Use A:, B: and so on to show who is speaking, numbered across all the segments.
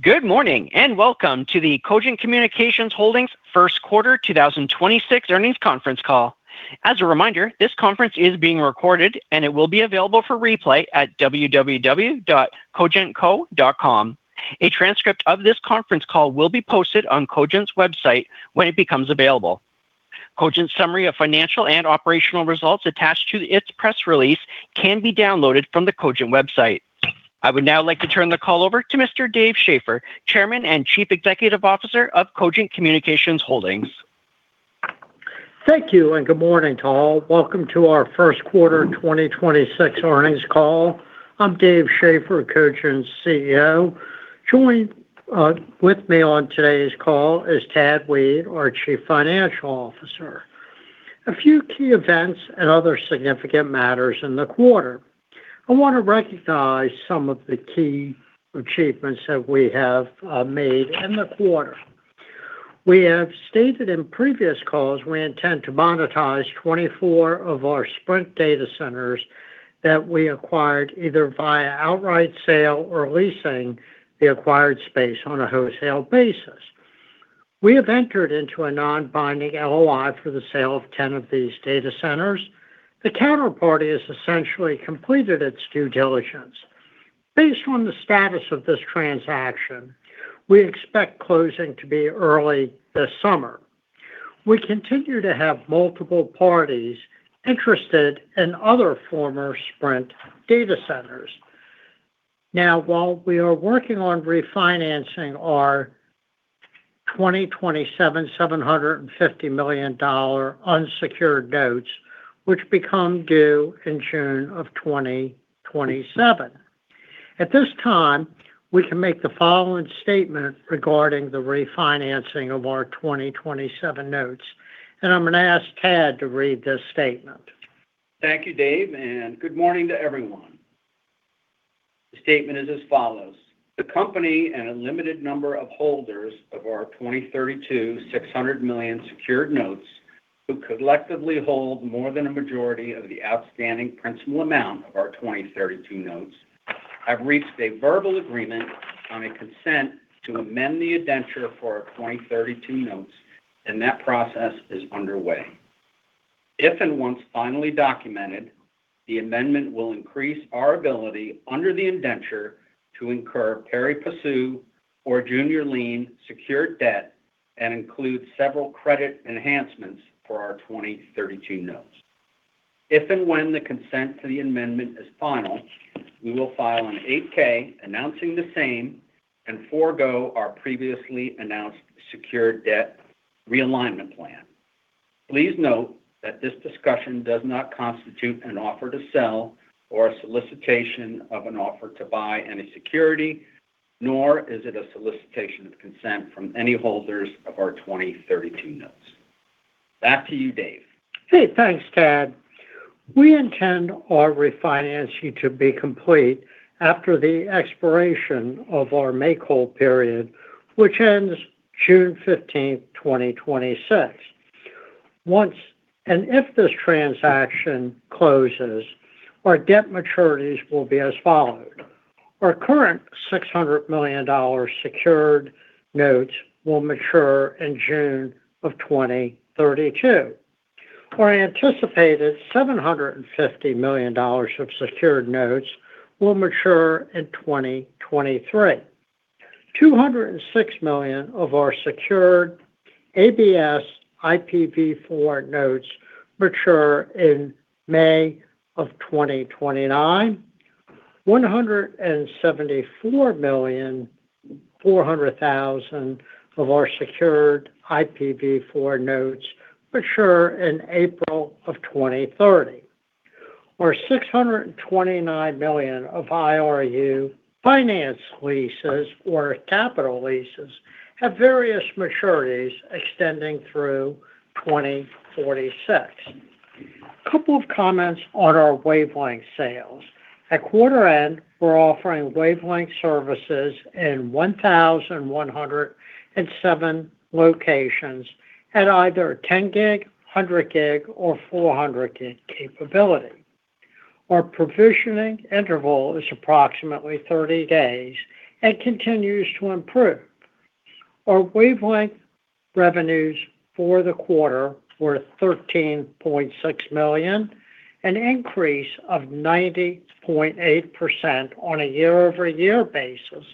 A: Good morning, welcome to the Cogent Communications Holdings First Quarter 2026 Earnings Conference Call. As a reminder, this conference is being recorded, and it will be available for replay at www.cogentco.com. A transcript of this conference call will be posted on Cogent's website when it becomes available. Cogent's summary of financial and operational results attached to its press release can be downloaded from the Cogent website. I would now like to turn the call over to Mr. Dave Schaeffer, Chairman and Chief Executive Officer of Cogent Communications Holdings.
B: Thank you. Good morning to all. Welcome to our first quarter 2026 earnings call. I'm Dave Schaeffer, Cogent's CEO. Joining with me on today's call is Tad Weed, our Chief Financial Officer. A few key events and other significant matters in the quarter. I want to recognize some of the key achievements that we have made in the quarter. We have stated in previous calls we intend to monetize 24 of our Sprint data centers that we acquired either via outright sale or leasing the acquired space on a wholesale basis. We have entered into a non-binding LOI for the sale of 10 of these data centers. The counterparty has essentially completed its due diligence. Based on the status of this transaction, we expect closing to be early this summer. We continue to have multiple parties interested in other former Sprint data centers. While we are working on refinancing our 2027 $750 million unsecured notes, which become due in June of 2027. At this time, we can make the following statement regarding the refinancing of our 2027 notes, and I'm going to ask Tad to read this statement.
C: Thank you, Dave. Good morning to everyone. The statement is as follows. The company and a limited number of holders of our 2032 $600 million secured notes, who collectively hold more than a majority of the outstanding principal amount of our 2032 notes, have reached a verbal agreement on a consent to amend the indenture for our 2032 notes. That process is underway. If and once finally documented, the amendment will increase our ability under the indenture to incur pari passu or junior lien secured debt and includes several credit enhancements for our 2032 notes. If and when the consent to the amendment is final, we will file an Form 8-K announcing the same and forgo our previously announced secured debt realignment plan. Please note that this discussion does not constitute an offer to sell or a solicitation of an offer to buy any security, nor is it a solicitation of consent from any holders of our 2032 notes. Back to you, Dave.
B: Okay, thanks, Tad. We intend our refinancing to be complete after the expiration of our make-whole period, which ends June 15th, 2026. Once and if this transaction closes, our debt maturities will be as follows. Our current $600 million secured notes will mature in June of 2032. Our anticipated $750 million of secured notes will mature in 2023. $206 million of our secured ABS IPv4 notes mature in May of 2029. $174.4 million of our secured IPv4 notes mature in April of 2030. Our $629 million of IRU finance leases or capital leases have various maturities extending through 2046. Couple of comments on our wavelength sales. At quarter end, we're offering wavelength services in 1,107 locations at either 10 gig, 100 gig, or 400 gig capability. Our provisioning interval is approximately 30 days and continues to improve. Our wavelength revenues for the quarter were $13.6 million, an increase of 90.8% on a year-over-year basis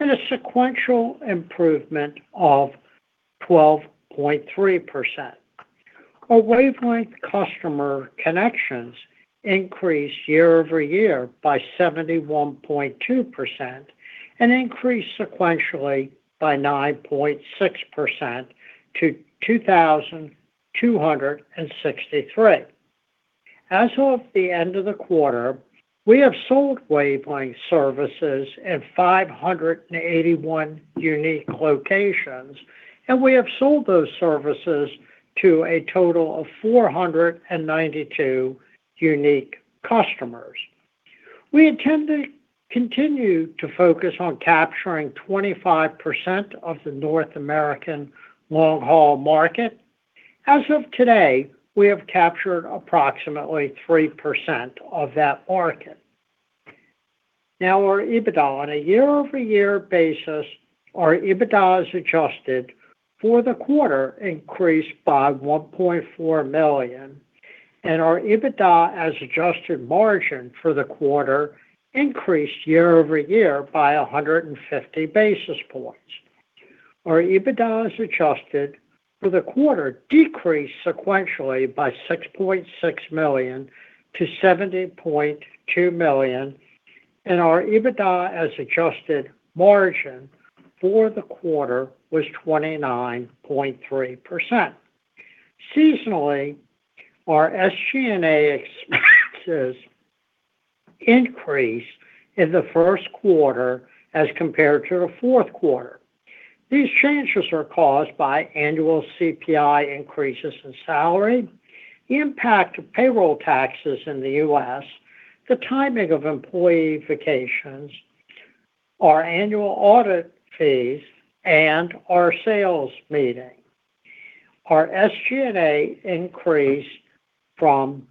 B: and a sequential improvement of 12.3%. Our wavelength customer connections increased year-over-year by 71.2% and increased sequentially by 9.6% to 2,263. As of the end of the quarter, we have sold wavelength services in 581 unique locations, and we have sold those services to a total of 492 unique customers. We intend to continue to focus on capturing 25% of the North American long-haul market. As of today, we have captured approximately 3% of that market. Now our EBITDA. On a year-over-year basis, our EBITDA as adjusted for the quarter increased by $1.4 million, and our EBITDA as adjusted margin for the quarter increased year-over-year by 150 basis points. Our EBITDA as adjusted for the quarter decreased sequentially by $6.6 million to $70.2 million, and our EBITDA as adjusted margin for the quarter was 29.3%. Seasonally, our SG&A expenses increased in the first quarter as compared to the fourth quarter. These changes are caused by annual CPI increases in salary, the impact of payroll taxes in the U.S., the timing of employee vacations, our annual audit fees, and our sales meeting. Our SG&A increased from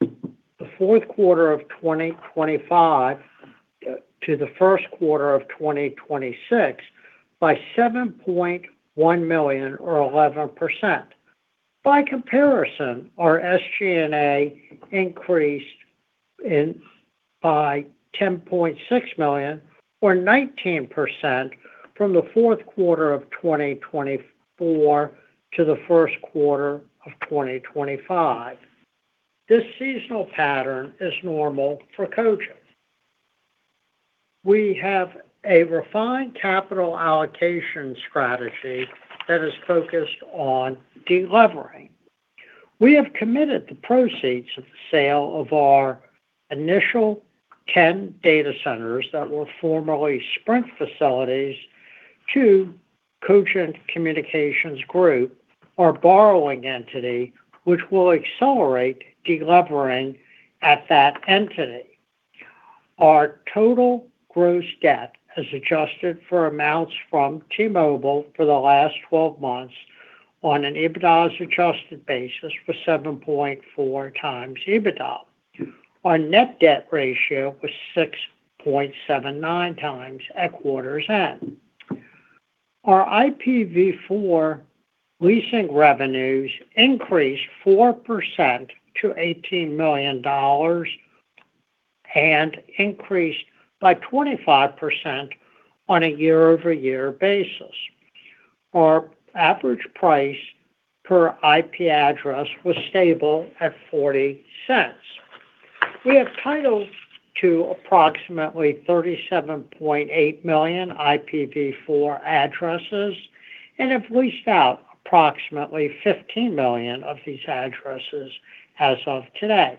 B: the fourth quarter of 2025 to the first quarter of 2026 by $7.1 million or 11%. By comparison, our SG&A increased by $10.6 million or 19% from the fourth quarter of 2024 to the first quarter of 2025. This seasonal pattern is normal for Cogent. We have a refined capital allocation strategy that is focused on de-levering. We have committed the proceeds of the sale of our initial 10 data centers that were formerly Sprint facilities to Cogent Communications Group, our borrowing entity, which will accelerate de-levering at that entity. Our total gross debt has adjusted for amounts from T-Mobile for the last 12 months on an EBITDA as adjusted basis was 7.4 times EBITDA. Our net debt ratio was 6.79 times at quarter's end. Our IPv4 leasing revenues increased 4% to $18 million and increased by 25% on a year-over-year basis. Our average price per IP address was stable at $0.40. We have titles to approximately 37.8 million IPv4 addresses and have leased out approximately 15 million of these addresses as of today.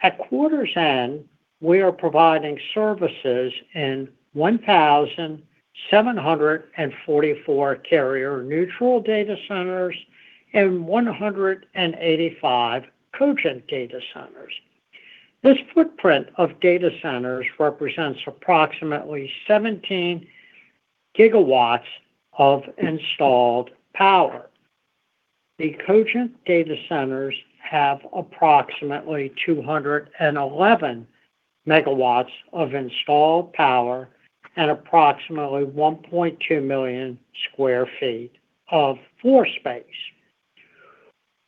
B: At quarter's end, we are providing services in 1,744 carrier neutral data centers and 185 Cogent data centers. This footprint of data centers represents approximately 17 GW of installed power. The Cogent data centers have approximately 211 MW of installed power and approximately 1.2 million sq ft of floor space.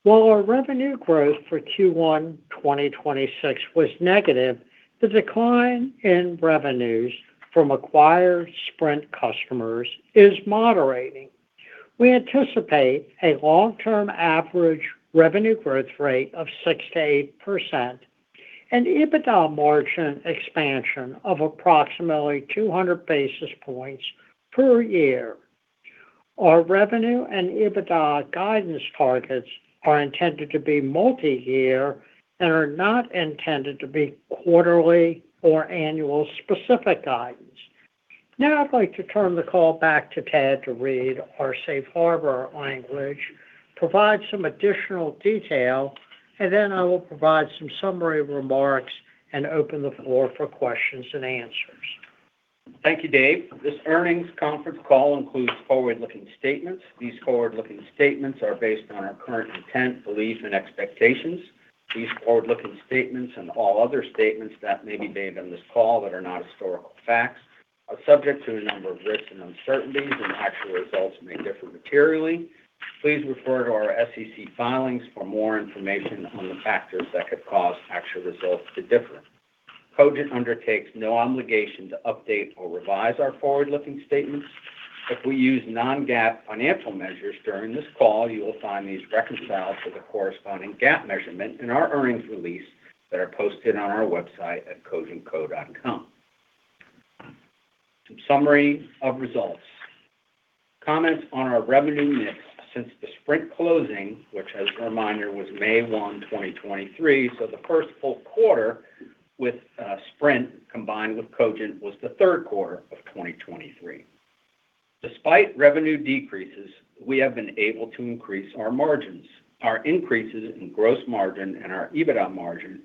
B: While our revenue growth for Q1 2026 was negative, the decline in revenues from acquired Sprint customers is moderating. We anticipate a long-term average revenue growth rate of 6%-8%, an EBITDA margin expansion of approximately 200 basis points per year. Our revenue and EBITDA guidance targets are intended to be multi-year and are not intended to be quarterly or annual specific guidance. I'd like to turn the call back to Tad to read our safe harbor language, provide some additional detail, and then I will provide some summary remarks and open the floor for questions and answers.
C: Thank you, Dave. This earnings conference call includes forward-looking statements. These forward-looking statements are based on our current intent, beliefs, and expectations. These forward-looking statements and all other statements that may be made on this call that are not historical facts are subject to a number of risks and uncertainties, actual results may differ materially. Please refer to our SEC filings for more information on the factors that could cause actual results to differ. Cogent undertakes no obligation to update or revise our forward-looking statements. If we use non-GAAP financial measures during this call, you will find these reconciled to the corresponding GAAP measurement in our earnings release that are posted on our website at www.cogentco.com. Some summary of results. Comments on our revenue mix since the Sprint closing, which as a reminder, was May 1, 2023. The first full quarter with Sprint combined with Cogent was the third quarter of 2023. Despite revenue decreases, we have been able to increase our margins. Our increases in gross margin and our EBITDA margin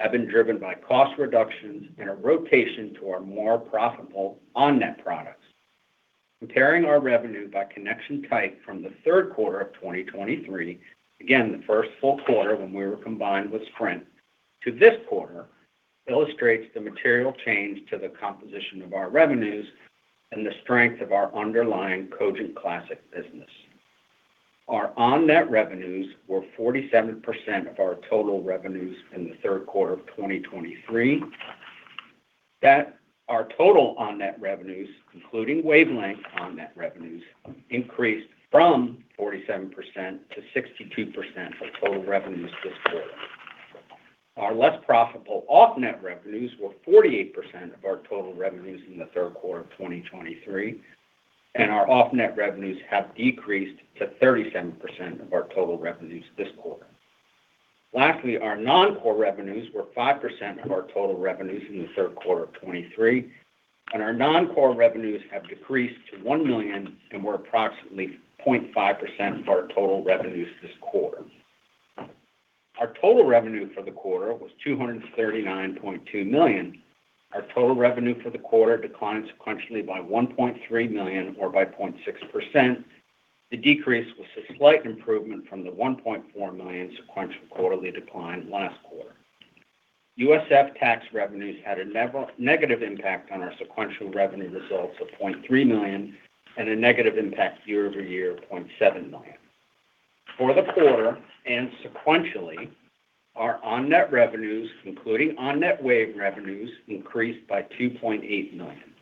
C: have been driven by cost reductions and a rotation to our more profitable on-net products. Comparing our revenue by connection type from the third quarter of 2023, again, the first full quarter when we were combined with Sprint, to this quarter illustrates the material change to the composition of our revenues and the strength of our underlying Cogent classic business. Our on-net revenues were 47% of our total revenues in the third quarter of 2023. Our total on-net revenues, including wavelength on-net revenues, increased from 47% to 62% of total revenues this quarter. Our less profitable off-net revenues were 48% of our total revenues in the third quarter of 2023, and our off-net revenues have decreased to 37% of our total revenues this quarter. Lastly, our non-core revenues were 5% of our total revenues in the third quarter of 2023, and our non-core revenues have decreased to $1 million and were approximately 0.5% of our total revenues this quarter. Our total revenue for the quarter was $239.2 million. Our total revenue for the quarter declined sequentially by $1.3 million or by 0.6%. The decrease was a slight improvement from the $1.4 million sequential quarterly decline last quarter. USF tax revenues had a negative impact on our sequential revenue results of $0.3 million and a negative impact year-over-year of $0.7 million. For the quarter and sequentially, our on-net revenues, including on-net wave revenues, increased by $2.8 million.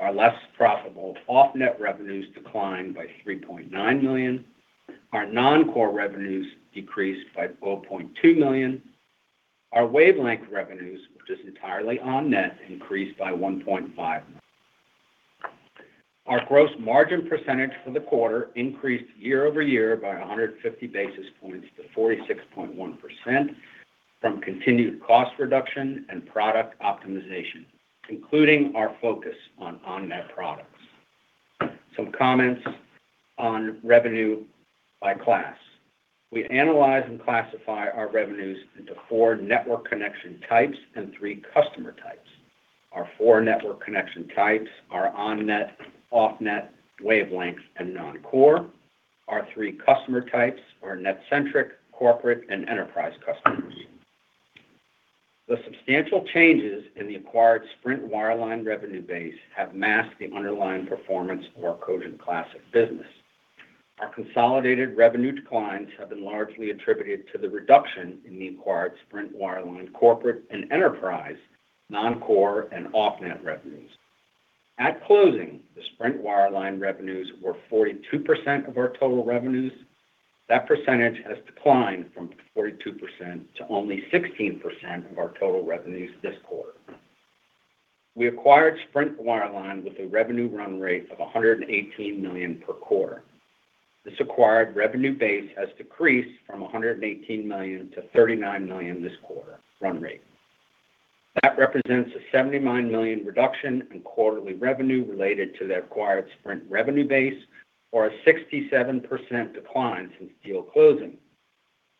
C: Our less profitable off-net revenues declined by $3.9 million. Our non-core revenues decreased by $12.2 million. Our wavelength revenues, which is entirely on-net, increased by $1.5 million. Our gross margin percentage for the quarter increased year-over-year by 150 basis points to 46.1% from continued cost reduction and product optimization, including our focus on on-net products. Some comments on revenue by class. We analyze and classify our revenues into four network connection types and three customer types. Our four network connection types are on-net, off-net, wavelength, and non-core. Our three customer types are net-centric, corporate, and enterprise customers. The substantial changes in the acquired Sprint wireline revenue base have masked the underlying performance of our Cogent classic business. Our consolidated revenue declines have been largely attributed to the reduction in the acquired Sprint wireline corporate and enterprise non-core and off-net revenues. At closing, the Sprint wireline revenues were 42% of our total revenues. That percentage has declined from 42% to only 16% of our total revenues this quarter. We acquired Sprint wireline with a revenue run rate of $118 million per quarter. This acquired revenue base has decreased from $118 million to $39 million this quarter run rate. That represents a $79 million reduction in quarterly revenue related to the acquired Sprint revenue base, or a 67% decline since deal closing.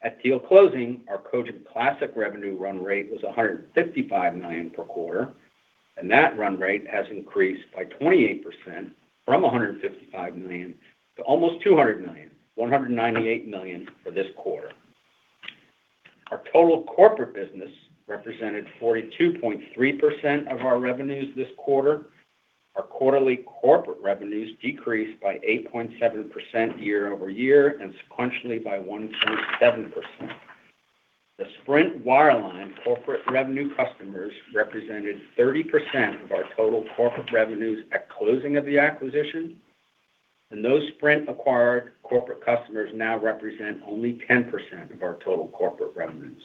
C: At deal closing, our Cogent classic revenue run rate was $155 million per quarter, and that run rate has increased by 28% from $155 million to almost $200 million, $198 million for this quarter. Our total corporate business represented 42.3% of our revenues this quarter. Our quarterly corporate revenues decreased by 8.7% year-over-year and sequentially by 1.7%. The Sprint wireline corporate revenue customers represented 30% of our total corporate revenues at closing of the acquisition, and those Sprint acquired corporate customers now represent only 10% of our total corporate revenues.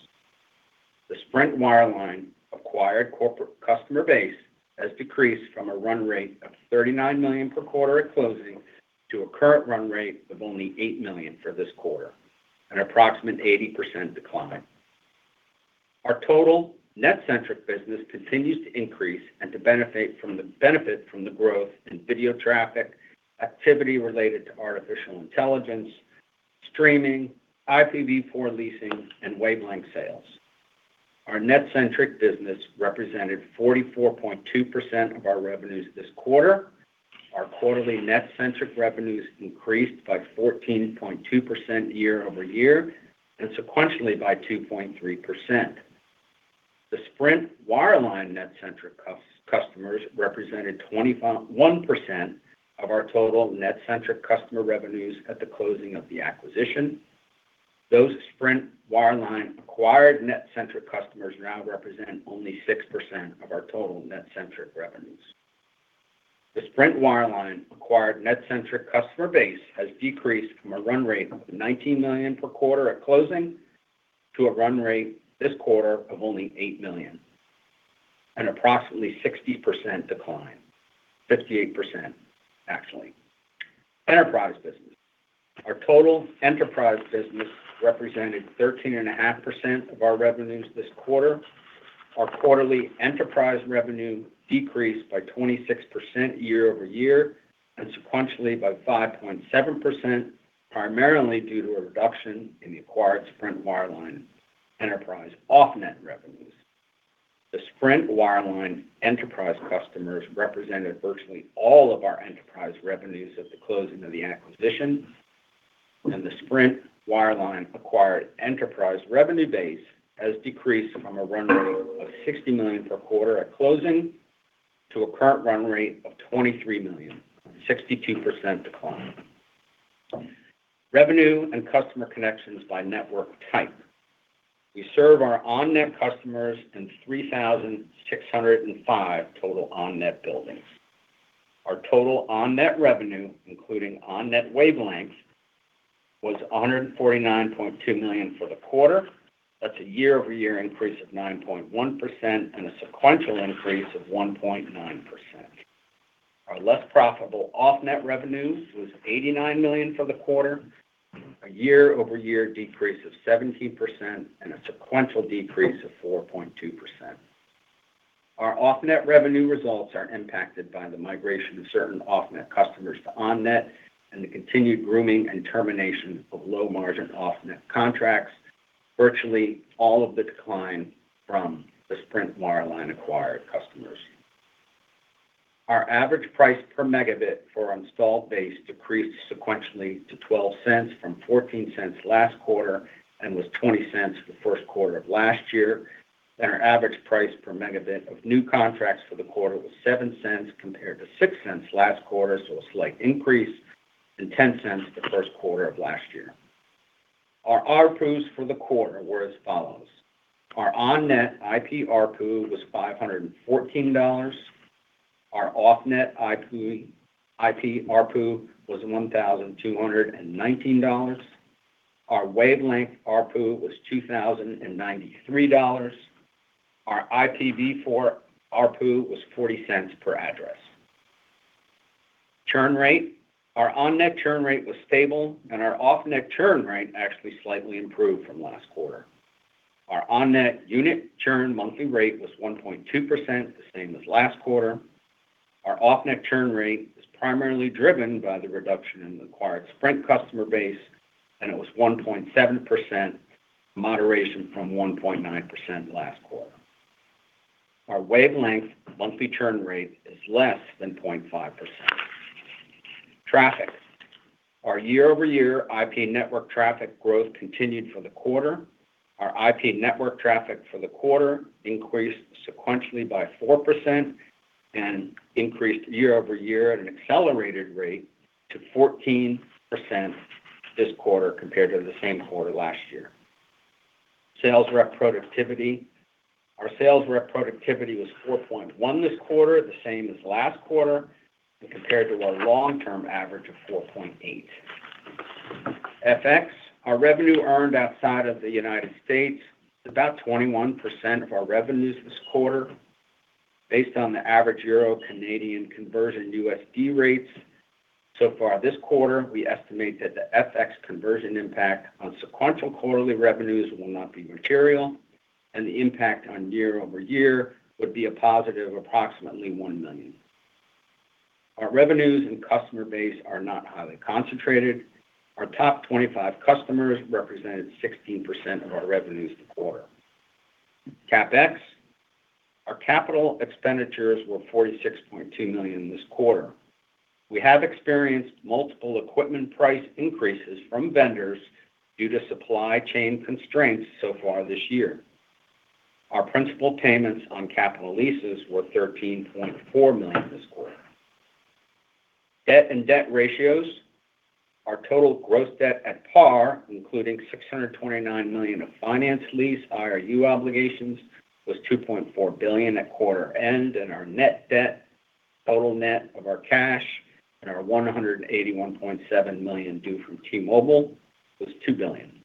C: The Sprint wireline acquired corporate customer base has decreased from a run rate of $39 million per quarter at closing to a current run rate of only $8 million for this quarter, an approximate 80% decline. Our total net-centric business continues to increase and to benefit from the growth in video traffic, activity related to artificial intelligence, streaming, IPv4 leasing, and wavelength sales. Our net-centric business represented 44.2% of our revenues this quarter. Our quarterly net-centric revenues increased by 14.2% year-over-year and sequentially by 2.3%. The Sprint wireline net-centric customers represented 21% of our total net-centric customer revenues at the closing of the acquisition. Those Sprint wireline acquired net-centric customers now represent only 6% of our total net-centric revenues. The Sprint wireline acquired net-centric customer base has decreased from a run rate of $19 million per quarter at closing to a run rate this quarter of only $8 million, an approximately 60% decline. 58%, actually. Enterprise business. Our total enterprise business represented 13.5% of our revenues this quarter. Our quarterly enterprise revenue decreased by 26% year-over-year and sequentially by 5.7%, primarily due to a reduction in the acquired Sprint wireline enterprise off-net revenues. The Sprint wireline enterprise customers represented virtually all of our enterprise revenues at the closing of the acquisition, and the Sprint wireline acquired enterprise revenue base has decreased from a run rate of $60 million per quarter at closing to a current run rate of $23 million, a 62% decline. Revenue and customer connections by network type. We serve our on-net customers in 3,605 total on-net buildings. Our total on-net revenue, including on-net wavelengths, was $149.2 million for the quarter. That's a year-over-year increase of 9.1% and a sequential increase of 1.9%. Our less profitable off-net revenues was $89 million for the quarter, a year-over-year decrease of 17% and a sequential decrease of 4.2%. Our off-net revenue results are impacted by the migration of certain off-net customers to on-net and the continued grooming and termination of low-margin off-net contracts, virtually all of the decline from the Sprint wireline acquired customers. Our average price per megabit for our installed base decreased sequentially to $0.12 from $0.14 last quarter and was $0.20 the first quarter of last year. Our average price per megabit of new contracts for the quarter was $0.07 compared to $0.06 last quarter, so a slight increase, and $0.10 the 1st quarter of last year. Our ARPU for the quarter were as follows. Our on-net IP ARPU was $514. Our off-net IP ARPU was $1,219. Our wavelength ARPU was $2,093. Our IPv4 ARPU was $0.40 per address. Churn rate. Our on-net churn rate was stable and our off-net churn rate actually slightly improved from last quarter. Our on-net unit churn monthly rate was 1.2%, the same as last quarter. Our off-net churn rate is primarily driven by the reduction in the acquired Sprint customer base, and it was 1.7%, moderation from 1.9% last quarter. Our wavelength monthly churn rate is less than 0.5%. Traffic. Our year-over-year IP network traffic growth continued for the quarter. Our IP network traffic for the quarter increased sequentially by 4% and increased year-over-year at an accelerated rate to 14% this quarter compared to the same quarter last year. Sales rep productivity. Our sales rep productivity was 4.1 this quarter, the same as last quarter, and compared to our long-term average of 4.8. FX. Our revenue earned outside of the U.S. was about 21% of our revenues this quarter based on the average Euro-Canadian conversion USD rates. For this quarter, we estimate that the FX conversion impact on sequential quarterly revenues will not be material, and the impact on year-over-year would be a positive of approximately $1 million. Our revenues and customer base are not highly concentrated. Our top 25 customers represented 16% of our revenues this quarter. CapEx. Our capital expenditures were $46.2 million this quarter. We have experienced multiple equipment price increases from vendors due to supply chain constraints so far this year. Our principal payments on capital leases were $13.4 million this quarter. Debt and debt ratios. Our total gross debt at par, including $629 million of finance lease IRU obligations, was $2.4 billion at quarter end, and our net debt, total net of our cash and our $181.7 million due from T-Mobile, was $2 billion.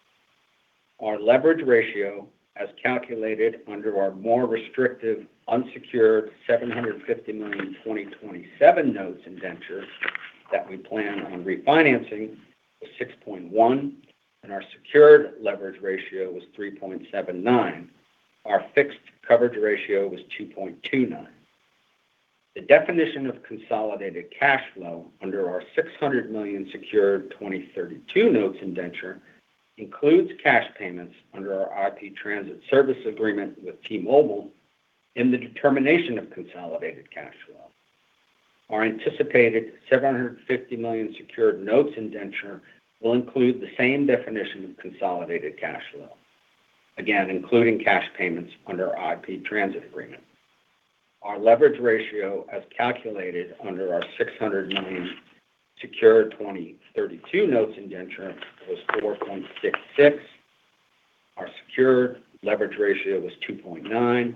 C: Our leverage ratio, as calculated under our more restrictive unsecured $750 million 2027 notes indentures that we plan on refinancing, was 6.1, and our secured leverage ratio was 3.79. Our fixed coverage ratio was 2.29. The definition of consolidated cash flow under our $600 million secured 2032 notes indenture includes cash payments under our IP Transit Services Agreement with T-Mobile in the determination of consolidated cash flow. Our anticipated $750 million secured notes indenture will include the same definition of consolidated cash flow, again, including cash payments under our IP Transit Agreement. Our leverage ratio, as calculated under our $600 million secured 2032 notes indenture, was 4.66. Our secured leverage ratio was 2.9,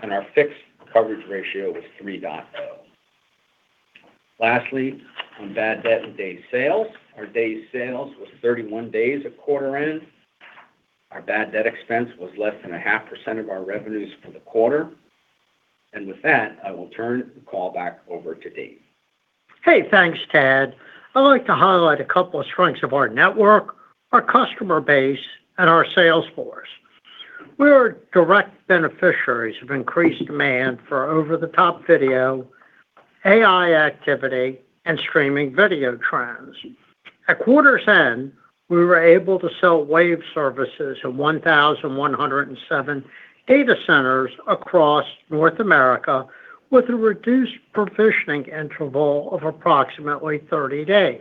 C: and our fixed coverage ratio was 3.0. Lastly, on bad debt and days sales, our days sales was 31 days at quarter end. Our bad debt expense was less than 0.5% of our revenues for the quarter. And with that, I will turn the call back over to Dave.
B: Hey. Thanks, Tad. I'd like to highlight a couple of strengths of our network, our customer base, and our sales force. We are direct beneficiaries of increased demand for over-the-top video, AI activity, and streaming video trends. At quarter's end, we were able to sell WAVE services at 1,107 data centers across North America with a reduced provisioning interval of approximately 30 days.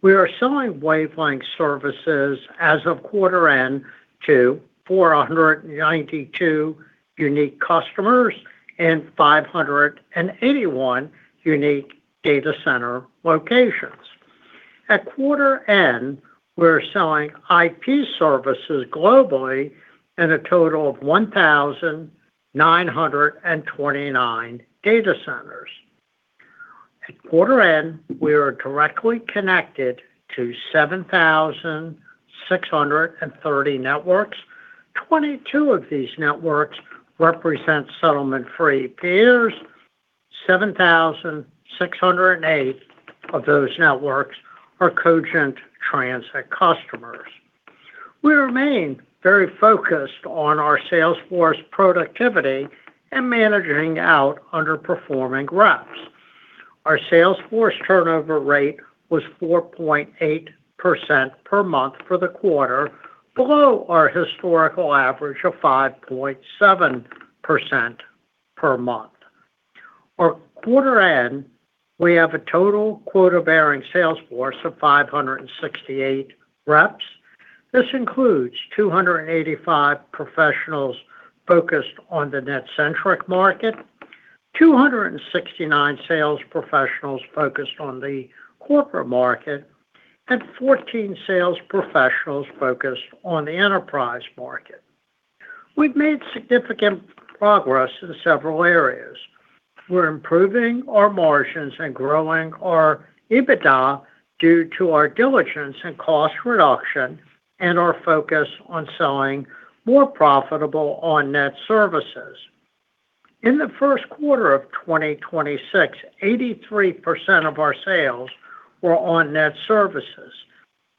B: We are selling Wavelength services as of quarter end to 492 unique customers and 581 unique data center locations. At quarter end, we're selling IP services globally in a total of 1,929 data centers. At quarter end, we are directly connected to 7,630 networks. 22 of these networks represent settlement-free peers. 7,608 of those networks are Cogent transit customers. We remain very focused on our sales force productivity and managing out underperforming reps. Our sales force turnover rate was 4.8% per month for the quarter, below our historical average of 5.7% per month. At quarter end, we have a total quota-bearing sales force of 568 reps. This includes 285 professionals focused on the net-centric market, 269 sales professionals focused on the corporate market, and 14 sales professionals focused on the enterprise market. We've made significant progress in several areas. We're improving our margins and growing our EBITDA due to our diligence in cost reduction and our focus on selling more profitable on net services. In the first quarter of 2026, 83% of our sales were on net services.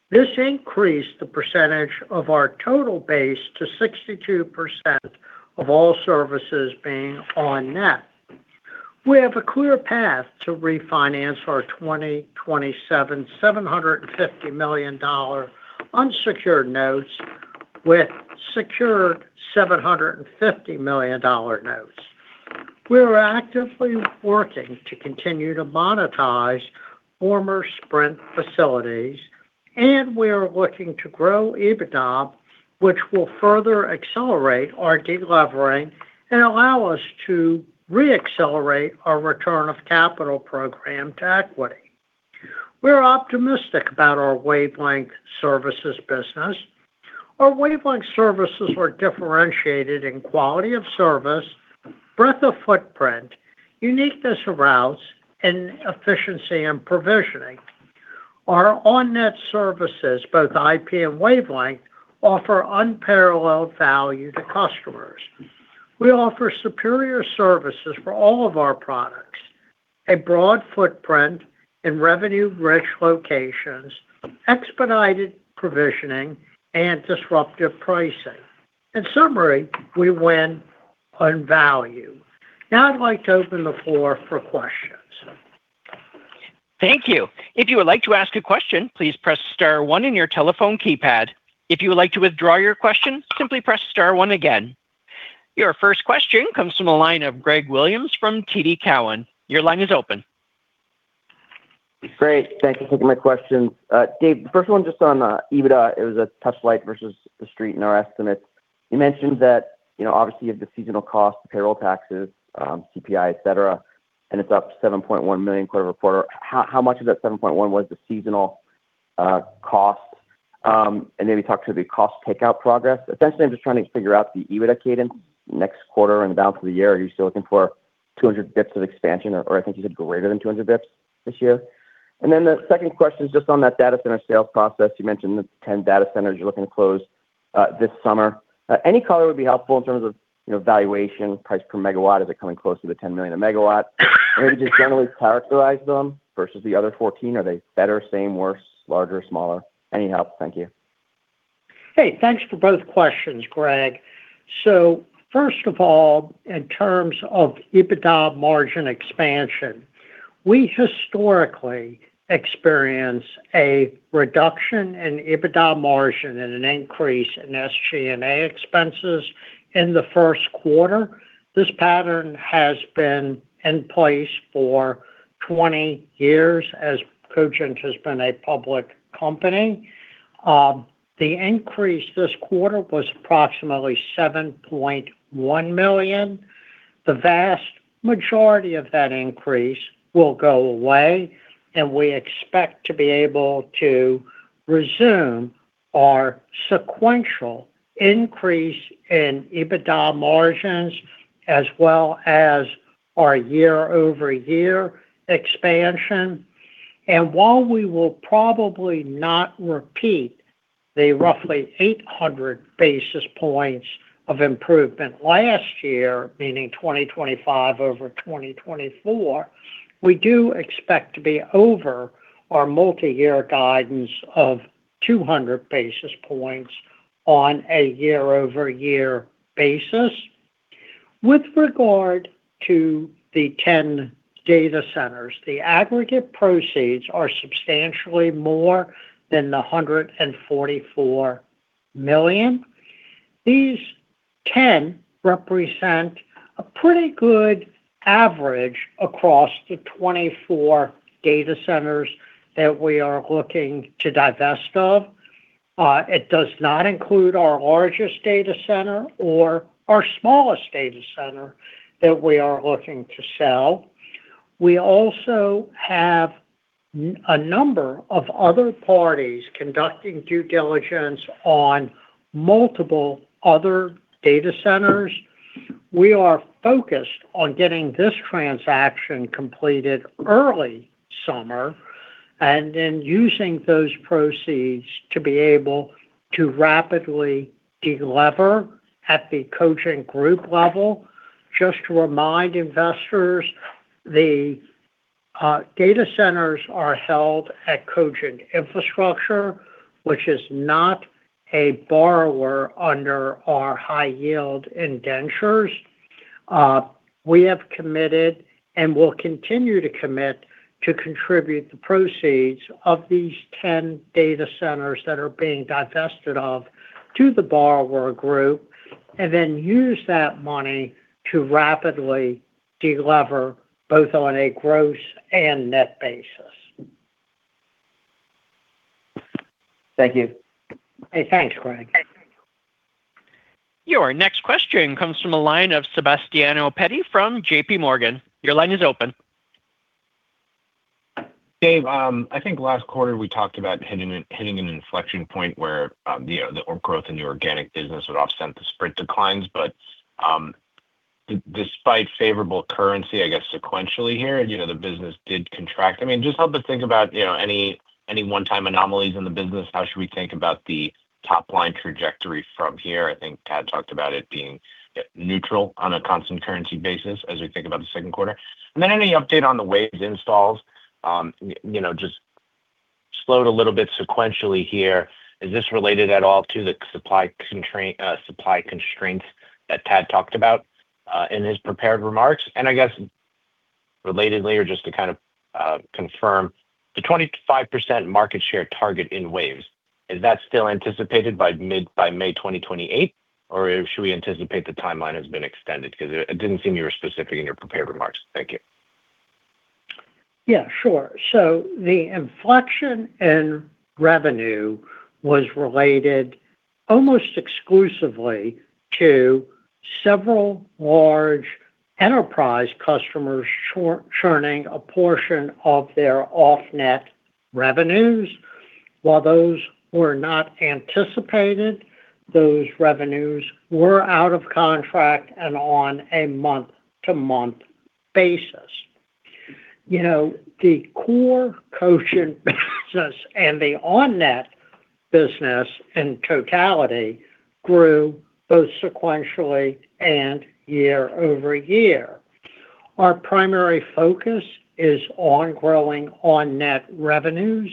B: This increased the percentage of our total base to 62% of all services being on net. We have a clear path to refinance our 2027 $750 million unsecured notes with secured $750 million notes. We are actively working to continue to monetize former Sprint facilities, and we are working to grow EBITDA, which will further accelerate our delevering and allow us to re-accelerate our return of capital program to equity. We're optimistic about our Wavelength services business. Our Wavelength services are differentiated in quality of service, breadth of footprint, uniqueness of routes, and efficiency in provisioning. Our on net services, both IP and Wavelength, offer unparalleled value to customers. We offer superior services for all of our products, a broad footprint in revenue-rich locations, expedited provisioning, and disruptive pricing. In summary, we win on value. Now I'd like to open the floor for questions.
A: Thank you. If you would like to ask a question, please press star one on your telephone keypad. If you would like to withdraw your question, simply press star one again. Your first question comes from the line of Greg Williams from TD Cowen. Your line is open.
D: Great. Thank you for taking my question. Dave, the first one just on EBITDA. It was a touch light versus the Street in our estimates. You mentioned that, you know, obviously you have the seasonal costs, the payroll taxes, CPI, et cetera, and it's up $7.1 million quarter-over-quarter. How much of that 7.1 was the seasonal cost? Maybe talk to the cost takeout progress. Essentially, I'm just trying to figure out the EBITDA cadence next quarter and the balance of the year. Are you still looking for 200 basis points of expansion or I think you said greater than 200 basis points this year? The second question is just on that data center sales process. You mentioned the 10 data centers you're looking to close this summer. any color would be helpful in terms of, you know, valuation, price per megawatt. Is it coming close to the $10 million a megawatt? Would you just generally characterize them versus the other 14? Are they better, same, worse, larger, smaller? Any help. Thank you.
B: Hey. Thanks for both questions, Greg. First of all, in terms of EBITDA margin expansion, we historically experience a reduction in EBITDA margin and an increase in SG&A expenses in the first quarter. This pattern has been in place for 20 years as Cogent has been a public company. The increase this quarter was approximately $7.1 million. The vast majority of that increase will go away, and we expect to be able to resume our sequential increase in EBITDA margins as well as our year-over-year expansion. While we will probably not repeat the roughly 800 basis points of improvement last year, meaning 2025 over 2024, we do expect to be over our multi-year guidance of 200 basis points on a year-over-year basis. With regard to the 10 data centers, the aggregate proceeds are substantially more than the $144 million. These 10 represent a pretty good average across the 24 data centers that we are looking to divest of. It does not include our largest data center or our smallest data center that we are looking to sell. We also have a number of other parties conducting due diligence on multiple other data centers. We are focused on getting this transaction completed early summer, and then using those proceeds to be able to rapidly delever at the Cogent Group level. Just to remind investors, the data centers are held at Cogent Infrastructure, which is not a borrower under our high-yield indentures. We have committed and will continue to commit to contribute the proceeds of these 10 data centers that are being divested of to the borrower group and then use that money to rapidly delever both on a gross and net basis.
D: Thank you.
B: Hey, thanks, Greg.
A: Your next question comes from the line of Sebastiano Petti from JPMorgan. Your line is open.
E: Dave, I think last quarter we talked about hitting an inflection point where, you know, the growth in the organic business would offset the Sprint declines. Despite favorable currency, I guess, sequentially here, you know, the business did contract. I mean, just help us think about, you know, any one-time anomalies in the business. How should we think about the top-line trajectory from here? I think Tad talked about it being neutral on a constant currency basis as we think about the second quarter. Any update on the WAVES installs? You know, just slowed a little bit sequentially here. Is this related at all to the supply constraints that Tad talked about in his prepared remarks? I guess relatedly, or just to kind of confirm, the 25% market share target in WAVES, is that still anticipated by May 2028? Should we anticipate the timeline has been extended? It didn't seem you were specific in your prepared remarks. Thank you.
B: Yeah, sure. The inflection in revenue was related almost exclusively to several large enterprise customers churning a portion of their off-net revenues. While those were not anticipated, those revenues were out of contract and on a month-to-month basis. You know, the core Cogent business and the on-net business in totality grew both sequentially and year-over-year. Our primary focus is on growing on-net revenues.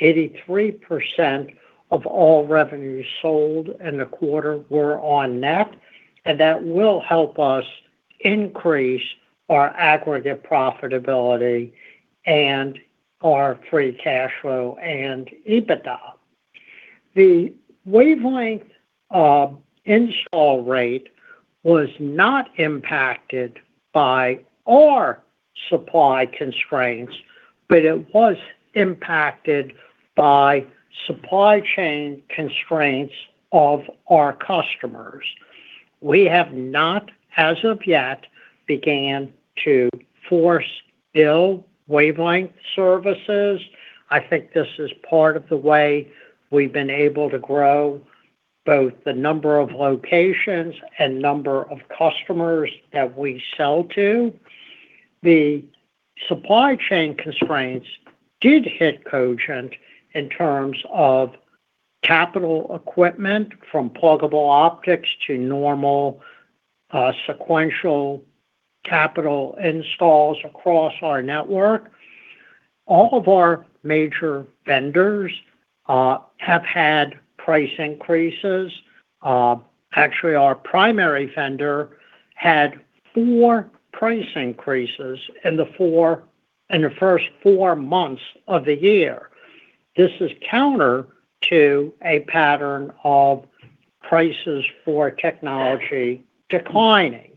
B: 83% of all revenues sold in the quarter were on-net, and that will help us increase our aggregate profitability and our free cash flow and EBITDA. The wavelength install rate was not impacted by our supply constraints, but it was impacted by supply chain constraints of our customers. We have not, as of yet, began to force bill wavelength services. I think this is part of the way we've been able to grow both the number of locations and number of customers that we sell to. The supply chain constraints did hit Cogent in terms of capital equipment, from pluggable optics to normal, sequential capital installs across our network. All of our major vendors have had price increases. Actually, our primary vendor had 4 price increases in the first 4 months of the year. This is counter to a pattern of prices for technology declining.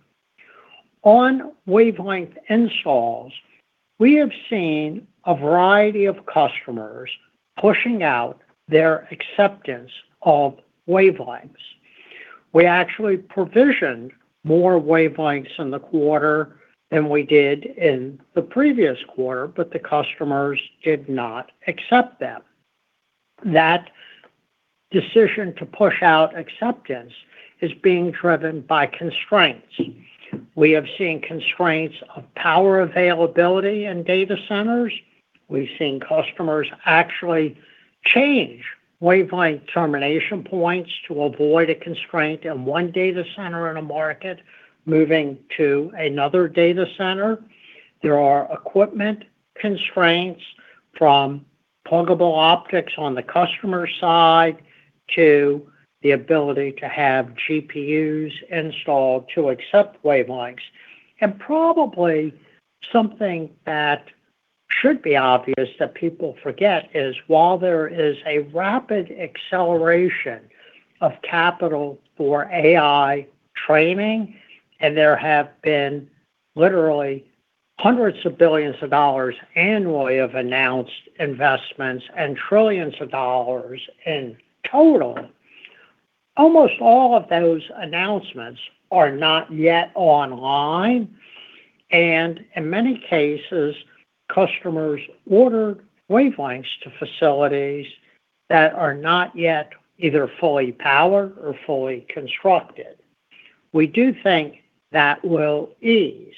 B: On wavelength installs, we have seen a variety of customers pushing out their acceptance of wavelengths. We actually provisioned more wavelengths in the quarter than we did in the previous quarter, but the customers did not accept them. That decision to push out acceptance is being driven by constraints. We have seen constraints of power availability in data centers. We've seen customers actually change wavelength termination points to avoid a constraint in one data center in a market moving to another data center. There are equipment constraints from pluggable optics on the customer side to the ability to have GPUs installed to accept wavelengths. Probably something that should be obvious that people forget is while there is a rapid acceleration of capital for AI training, and there have been literally hundreds of billions of dollars annually of announced investments and trillions of dollars in total, almost all of those announcements are not yet online. In many cases, customers order wavelengths to facilities that are not yet either fully powered or fully constructed. We do think that will ease.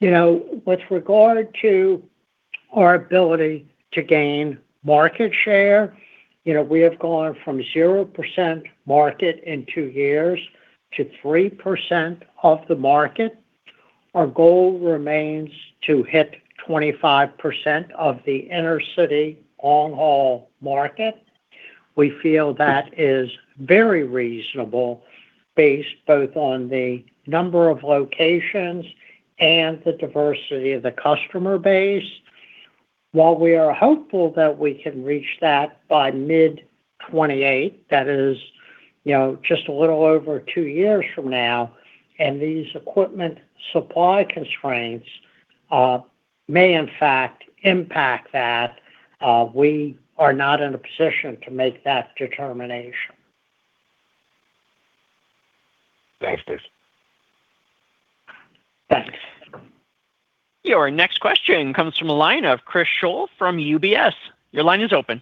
B: You know, with regard to our ability to gain market share, you know, we have gone from 0% market in 2 years to 3% of the market. Our goal remains to hit 25% of the inner-city long-haul market. We feel that is very reasonable based both on the number of locations and the diversity of the customer base. While we are hopeful that we can reach that by mid-2028, that is, you know, just a little over two years from now, and these equipment supply constraints may in fact impact that, we are not in a position to make that determination.
E: Thanks, Dave.
B: Thanks.
A: Your next question comes from a line of Christopher Schoell from UBS. Your line is open.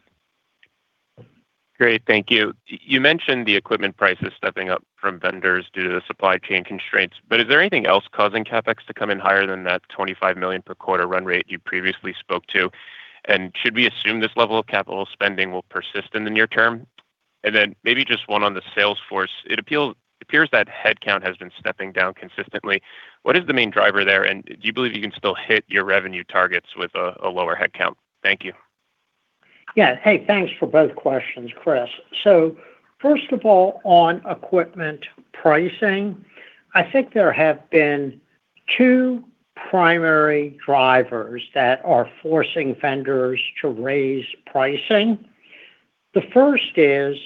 F: Great. Thank you. You mentioned the equipment prices stepping up from vendors due to the supply chain constraints, is there anything else causing CapEx to come in higher than that $25 million per quarter run rate you previously spoke to? Should we assume this level of capital spending will persist in the near term? Then maybe just one on the sales force. It appears that head count has been stepping down consistently. What is the main driver there, and do you believe you can still hit your revenue targets with a lower head count? Thank you.
B: Yeah. Hey, thanks for both questions, Chris. First of all, on equipment pricing, I think there have been two primary drivers that are forcing vendors to raise pricing. The first is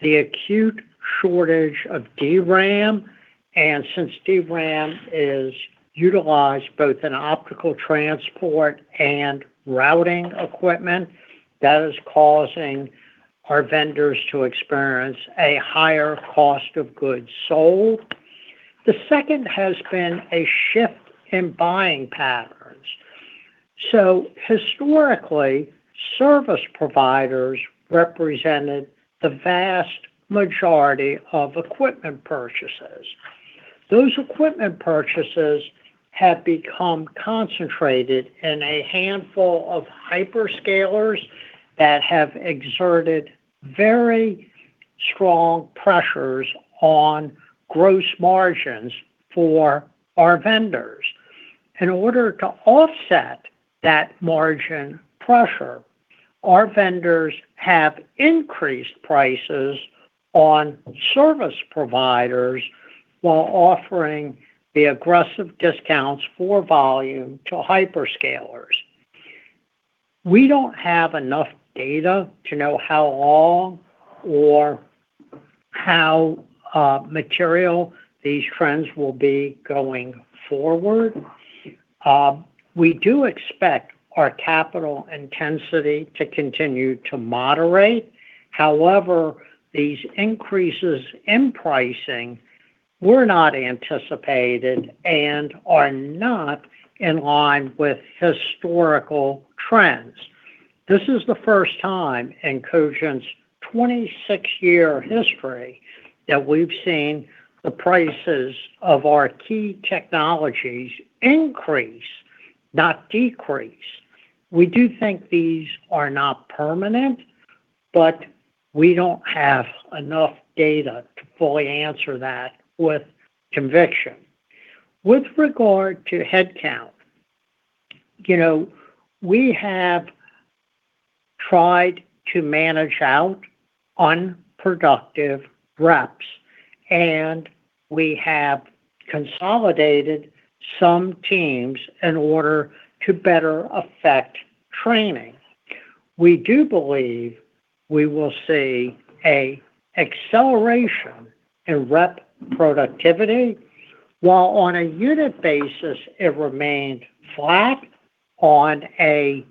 B: the acute shortage of DRAM, and since DRAM is utilized both in optical transport and routing equipment, that is causing our vendors to experience a higher cost of goods sold. The second has been a shift in buying patterns. Historically, service providers represented the vast majority of equipment purchases. Those equipment purchases have become concentrated in a handful of hyperscalers that have exerted very strong pressures on gross margins for our vendors. In order to offset that margin pressure, our vendors have increased prices on service providers while offering the aggressive discounts for volume to hyperscalers. We don't have enough data to know how long or how material these trends will be going forward. We do expect our capital intensity to continue to moderate. However, these increases in pricing were not anticipated and are not in line with historical trends. This is the first time in Cogent's 26 year history that we've seen the prices of our key technologies increase, not decrease. We do think these are not permanent, but we don't have enough data to fully answer that with conviction. With regard to headcount, you know, we have tried to manage out unproductive reps, and we have consolidated some teams in order to better affect training. We do believe we will see a acceleration in rep productivity while on a unit basis it remained flat. On a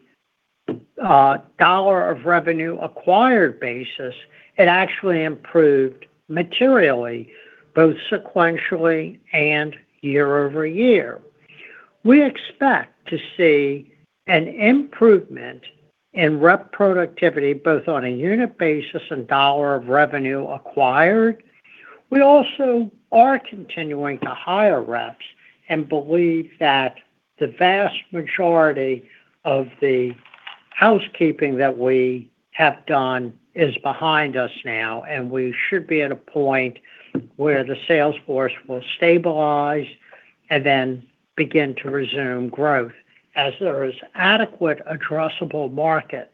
B: dollar of revenue acquired basis, it actually improved materially both sequentially and year-over-year. We expect to see an improvement in rep productivity, both on a unit basis and dollar of revenue acquired. We also are continuing to hire reps and believe that the vast majority of the housekeeping that we have done is behind us now, and we should be at a point where the sales force will stabilize and then begin to resume growth as there is adequate addressable market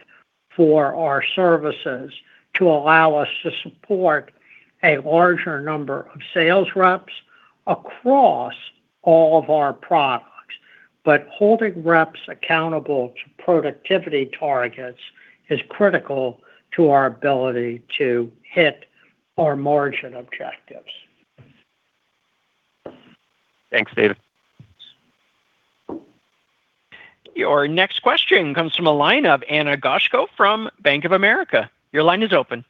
B: for our services to allow us to support a larger number of sales reps across all of our products. Holding reps accountable to productivity targets is critical to our ability to hit our margin objectives.
F: Thanks, David.
A: Your next question comes from a line of Ana Goshko from Bank of America. Your line is open.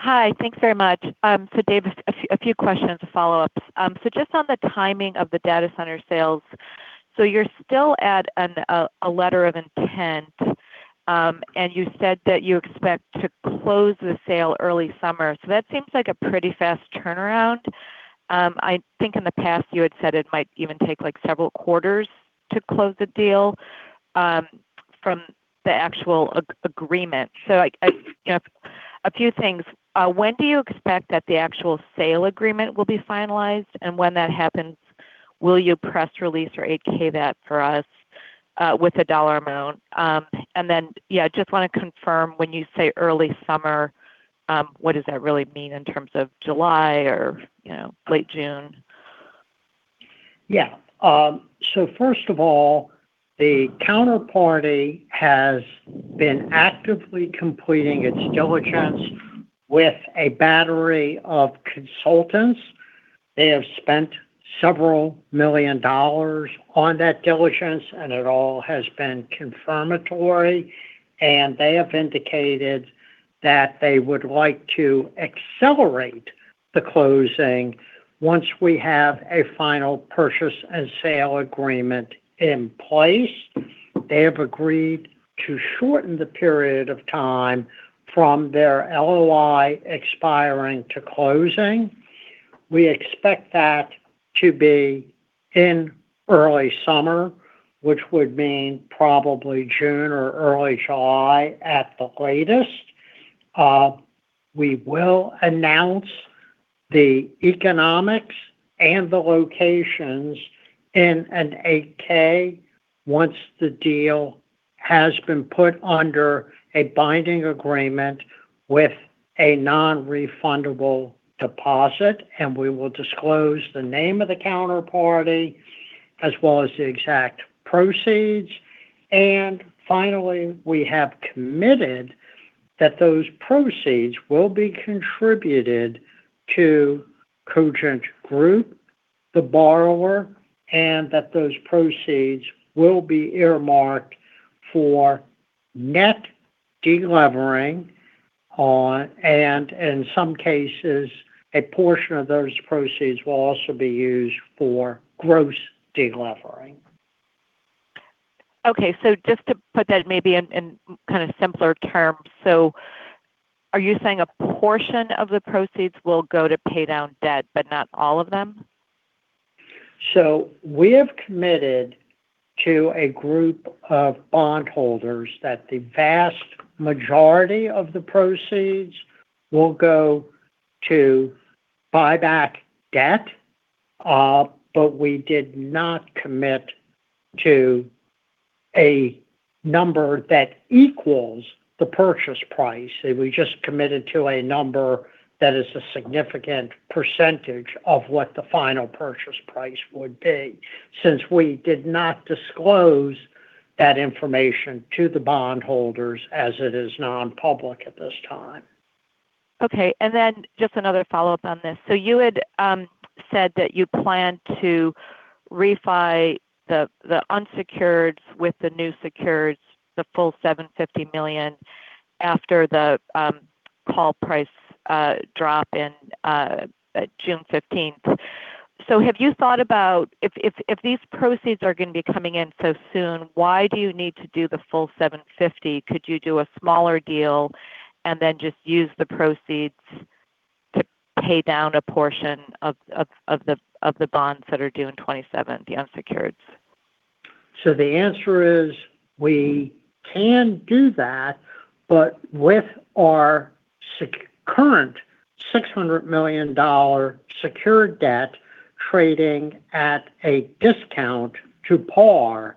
G: Hi. Thanks very much. David, a few questions to follow-up. Just on the timing of the data center sales, you're still at a letter of intent, and you said that you expect to close the sale early summer. That seems like a pretty fast turnaround. I think in the past you had said it might even take, like, several quarters to close the deal from the actual agreement. Like, I, you know, a few things. When do you expect that the actual sale agreement will be finalized? When that happens, will you press release or Form 8-K that for us, with a dollar amount? Yeah, just wanna confirm, when you say early summer, what does that really mean in terms of July or, you know, late June?
B: First of all, the counterparty has been actively completing its diligence with a battery of consultants. They have spent several million dollars on that diligence, it all has been confirmatory. They have indicated that they would like to accelerate the closing once we have a final purchase and sale agreement in place. They have agreed to shorten the period of time from their LOI expiring to closing. We expect that to be in early summer, which would mean probably June or early July at the latest. We will announce the economics and the locations in an Form 8-K once the deal has been put under a binding agreement with a non-refundable deposit, we will disclose the name of the counterparty, as well as the exact proceeds. Finally, we have committed that those proceeds will be contributed to Cogent Group, the borrower, and that those proceeds will be earmarked for net delevering, and in some cases, a portion of those proceeds will also be used for gross delevering.
G: Okay, just to put that maybe in kind of simpler terms, so are you saying a portion of the proceeds will go to pay down debt, but not all of them?
B: We have committed to a group of bond holders that the vast majority of the proceeds will go to buy back debt, but we did not commit to a number that equals the purchase price. We just committed to a number that is a significant percentage of what the final purchase price would be since we did not disclose that information to the bond holders as it is non-public at this time.
G: Just another follow-up on this. You had said that you plan to refi the unsecured with the new secured, the full $750 million after the call price drop in June 15th. Have you thought about if these proceeds are gonna be coming in so soon, why do you need to do the full $750? Could you do a smaller deal and then just use the proceeds to pay down a portion of the bonds that are due in 2027, the unsecureds?
B: The answer is we can do that, with our current $600 million secured debt trading at a discount to par,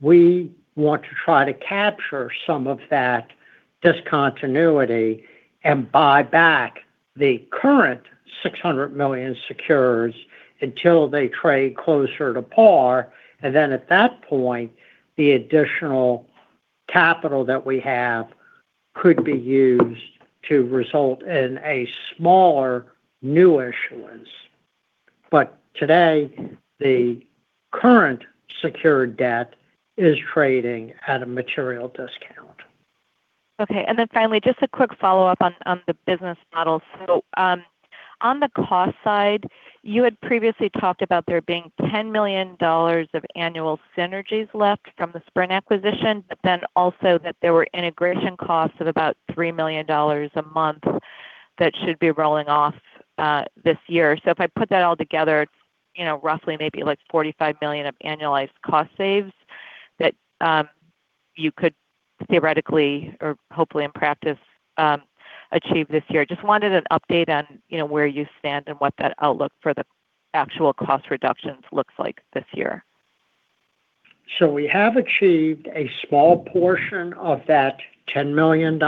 B: we want to try to capture some of that discontinuity and buy back the current $600 million secures until they trade closer to par. At that point, the additional capital that we have could be used to result in a smaller new issuance. Today, the current secured debt is trading at a material discount.
G: Okay. Just a quick follow-up on the business model. On the cost side, you had previously talked about there being $10 million of annual synergies left from the Sprint acquisition, but then also that there were integration costs of about $3 million a month that should be rolling off this year. It's, you know, roughly maybe like $45 million of annualized cost saves that you could theoretically or hopefully in practice achieve this year. Just wanted an update on, you know, where you stand and what that outlook for the actual cost reductions looks like this year.
B: We have achieved a small portion of that $10 million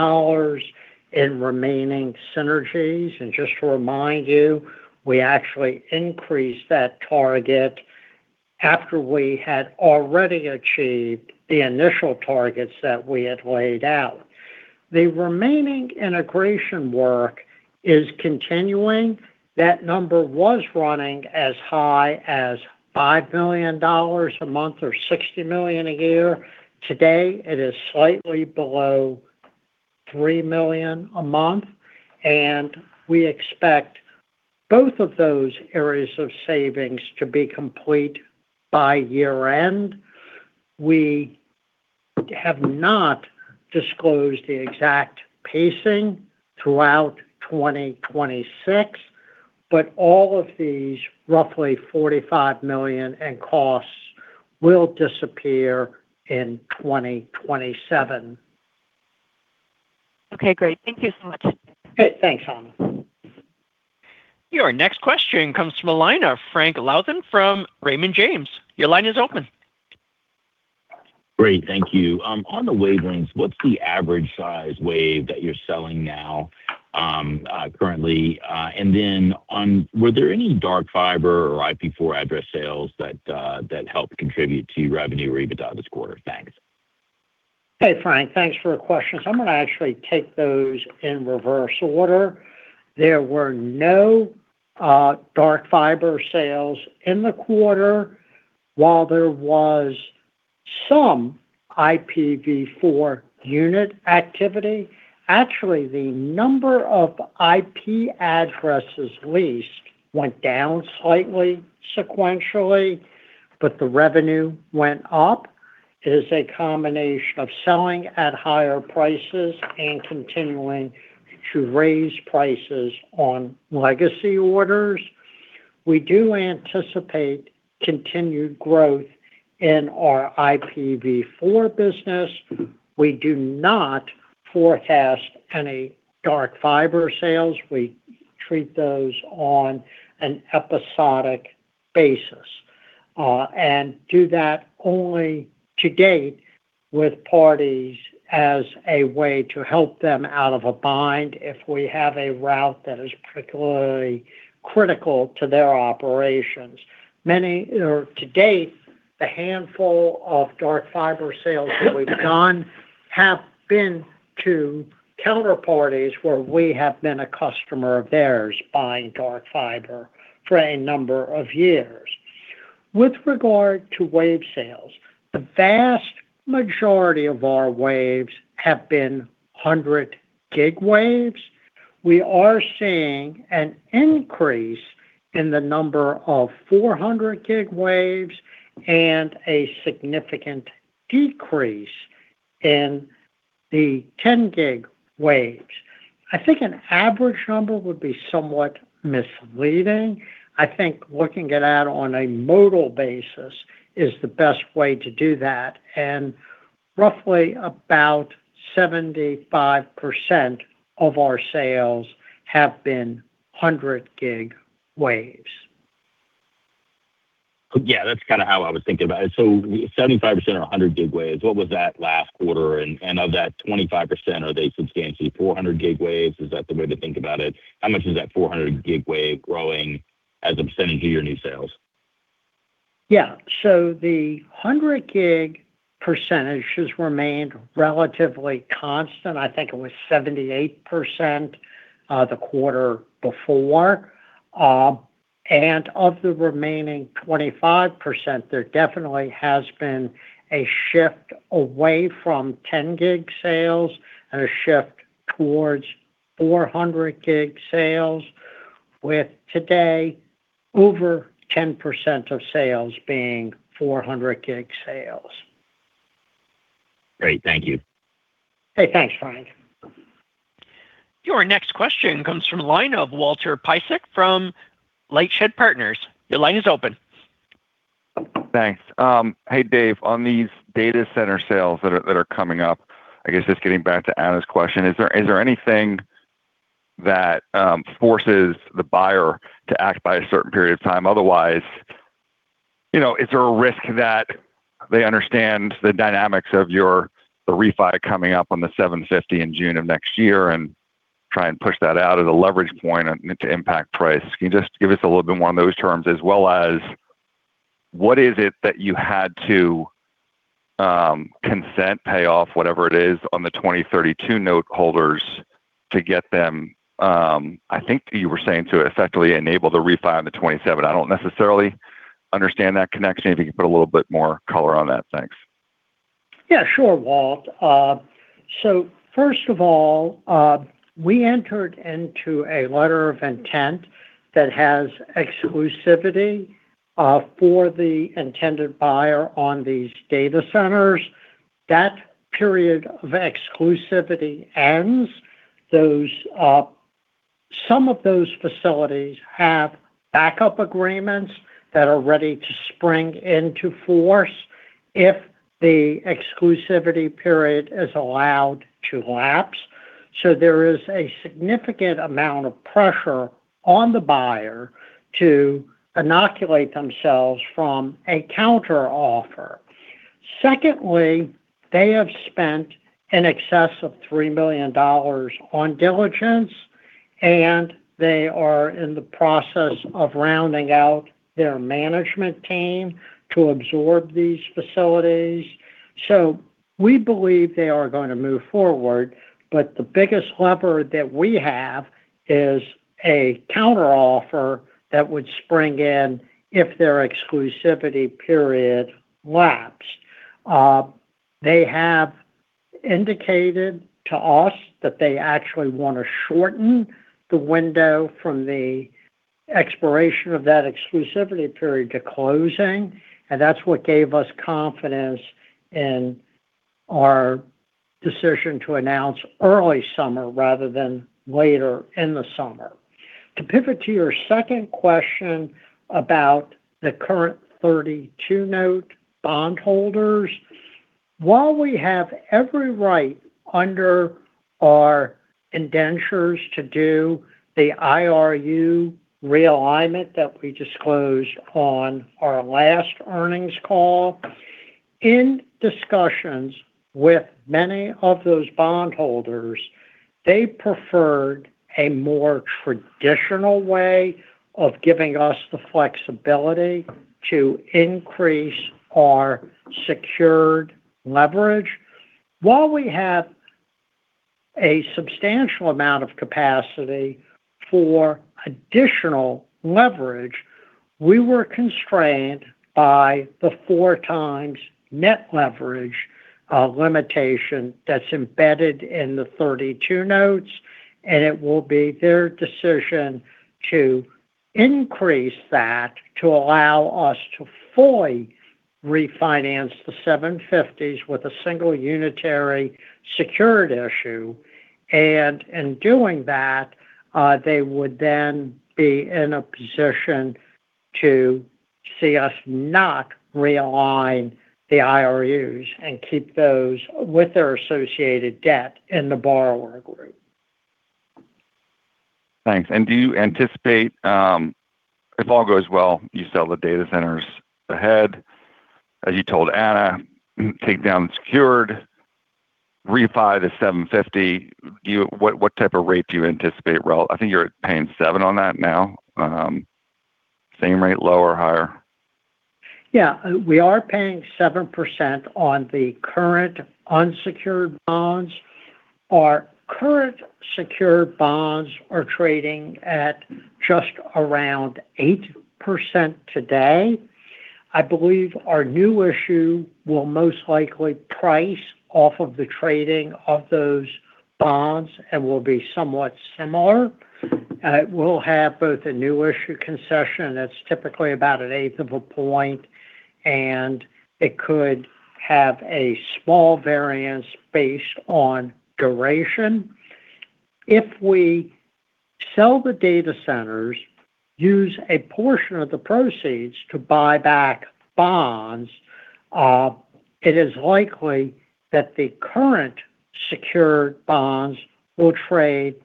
B: in remaining synergies. Just to remind you, we actually increased that target after we had already achieved the initial targets that we had laid out. The remaining integration work is continuing. That number was running as high as $5 million a month or $60 million a year. Today, it is slightly below $3 million a month, and we expect both of those areas of savings to be complete by year-end. We have not disclosed the exact pacing throughout 2026, all of these roughly $45 million in costs will disappear in 2027.
G: Okay, great. Thank you so much.
B: Great. Thanks, Ana.
A: Your next question comes from the line of Frank Louthan from Raymond James. Your line is open.
H: Great. Thank you. On the wavelengths, what's the average size wave that you're selling now currently? Then, were there any dark fiber or IPv4 address sales that helped contribute to revenue or EBITDA this quarter? Thanks.
B: Hey, Frank. Thanks for your questions. I'm gonna actually take those in reverse order. There were no dark fiber sales in the quarter while there was some IPv4 unit activity. Actually, the number of IP addresses leased went down slightly sequentially, but the revenue went up. It is a combination of selling at higher prices and continuing to raise prices on legacy orders. We do anticipate continued growth in our IPv4 business. We do not forecast any dark fiber sales. We treat those on an episodic basis and do that only to date with parties as a way to help them out of a bind if we have a route that is particularly critical to their operations. To date, the handful of dark fiber sales that we've done have been to counterparties where we have been a customer of theirs buying dark fiber for a number of years. With regard to wave sales, the vast majority of our waves have been 100 gig waves. We are seeing an increase in the number of 400 gig waves and a significant decrease in the 10 gig waves. I think an average number would be somewhat misleading. I think looking it at on a modal basis is the best way to do that, and roughly about 75% of our sales have been 100 gig waves.
H: Yeah, that's kind of how I was thinking about it. 75% are 100 gig waves. What was that last quarter? Of that 25%, are they substantially 400 gig waves? Is that the way to think about it? How much is that 400 gig wave growing as a % of your new sales?
B: The 100 gig percentage has remained relatively constant. I think it was 78% the quarter before. Of the remaining 25%, there definitely has been a shift away from 10 gig sales and a shift towards 400 gig sales, with today over 10% of sales being 400 gig sales.
H: Great. Thank you.
B: Hey, thanks, Frank.
A: Your next question comes from the line of Walter Piecyk from Lightshed Partners. Your line is open.
I: Thanks. Hey, Dave. On these data center sales that are coming up, I guess just getting back to Ana's question, is there anything that forces the buyer to act by a certain period of time? You know, is there a risk that they understand the dynamics of your, the refi coming up on the 750 in June of next year and try and push that out as a leverage point and to impact price? Can you just give us a little bit more on those terms? What is it that you had to consent, pay off, whatever it is, on the 2032 note holders to get them, I think you were saying to effectively enable the refi on the 27. I don't necessarily understand that connection. If you could put a little bit more color on that. Thanks.
B: Yeah, sure, Walt. First of all, we entered into a letter of intent that has exclusivity for the intended buyer on these data centers. That period of exclusivity ends. Those, some of those facilities have backup agreements that are ready to spring into force if the exclusivity period is allowed to lapse. There is a significant amount of pressure on the buyer to inoculate themselves from a counteroffer. Secondly, they have spent in excess of $3 million on diligence, and they are in the process of rounding out their management team to absorb these facilities. We believe they are gonna move forward, but the biggest lever that we have is a counteroffer that would spring in if their exclusivity period lapse. They have indicated to us that they actually want to shorten the window from the expiration of that exclusivity period to closing, and that's what gave us confidence in our decision to announce early summer rather than later in the summer. To pivot to your second question about the current 32 note bondholders, while we have every right under our indentures to do the IRU realignment that we disclosed on our last earnings call, in discussions with many of those bondholders, they preferred a more traditional way of giving us the flexibility to increase our secured leverage. While we have a substantial amount of capacity for additional leverage, we were constrained by the 4 times net leverage limitation that's embedded in the 32 notes, and it will be their decision to increase that to allow us to fully refinance the 750s with a single unitary secured issue. In doing that, they would then be in a position to see us not realign the IRUs and keep those with their associated debt in the borrower group.
I: Thanks. Do you anticipate, if all goes well, you sell the data centers ahead, as you told Ana, take down secured refi the $750, what type of rate do you anticipate? Well, I think you're paying 7% on that now. Same rate, lower, higher?
B: We are paying 7% on the current unsecured bonds. Our current secured bonds are trading at just around 8% today. I believe our new issue will most likely price off of the trading of those bonds and will be somewhat similar. It will have both a new issue concession that's typically about an eighth of a point, and it could have a small variance based on duration. If we sell the data centers, use a portion of the proceeds to buy back bonds, it is likely that the current secured bonds will trade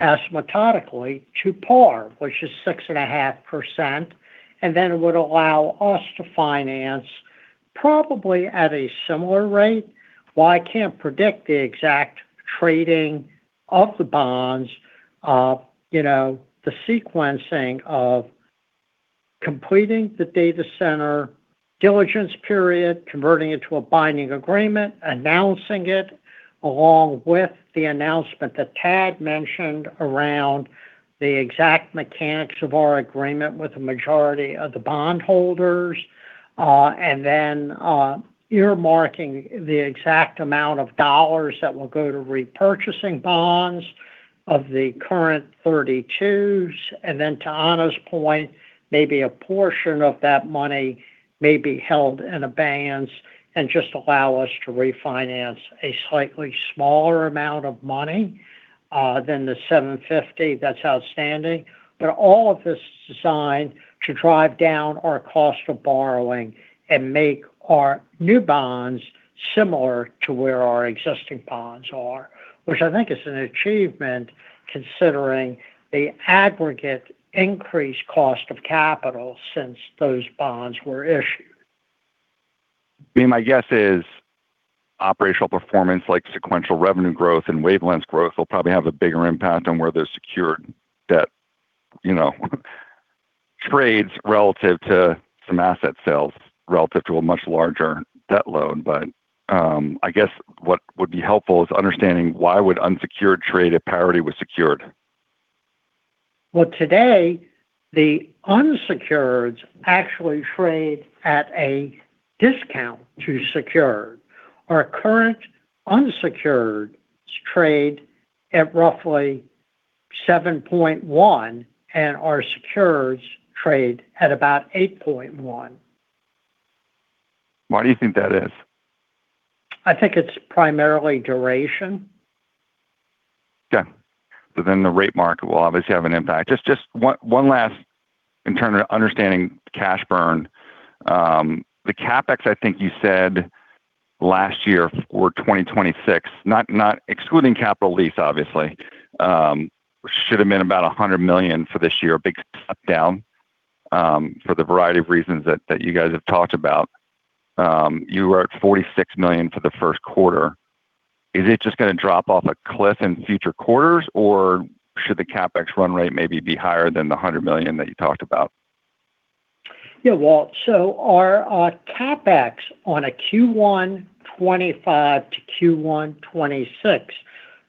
B: asymptotically to par, which is 6.5%, and then it would allow us to finance probably at a similar rate. While I can't predict the exact trading of the bonds, you know, the sequencing of completing the data center diligence period, converting it to a binding agreement, announcing it along with the announcement that Tad mentioned around the exact mechanics of our agreement with the majority of the bondholders, and then, earmarking the exact amount of dollars that will go to repurchasing bonds of the current 32s. To Ana's point, maybe a portion of that money may be held in abeyance and just allow us to refinance a slightly smaller amount of money than the $750 that's outstanding. All of this is designed to drive down our cost of borrowing and make our new bonds similar to where our existing bonds are, which I think is an achievement considering the aggregate increased cost of capital since those bonds were issued.
I: I mean, my guess is operational performance like sequential revenue growth and wavelength's growth will probably have a bigger impact on where the secured debt, you know, trades relative to some asset sales, relative to a much larger debt load. I guess what would be helpful is understanding why would unsecured trade if parity was secured?
B: Well, today the unsecureds actually trade at a discount to secured. Our current unsecureds trade at roughly 7.1, and our secures trade at about 8.1
I: Why do you think that is?
B: I think it's primarily duration.
I: Okay. The rate market will obviously have an impact. Just one last in terms of understanding cash burn. The CapEx, I think you said last year for 2026, excluding capital lease, obviously, should have been about $100 million for this year. A big cut down for the variety of reasons that you guys have talked about. You were at $46 million for the first quarter. Is it just gonna drop off a cliff in future quarters, or should the CapEx run rate maybe be higher than the $100 million that you talked about?
B: Yeah, Walt. Our CapEx on a Q1 2025 to Q1 2026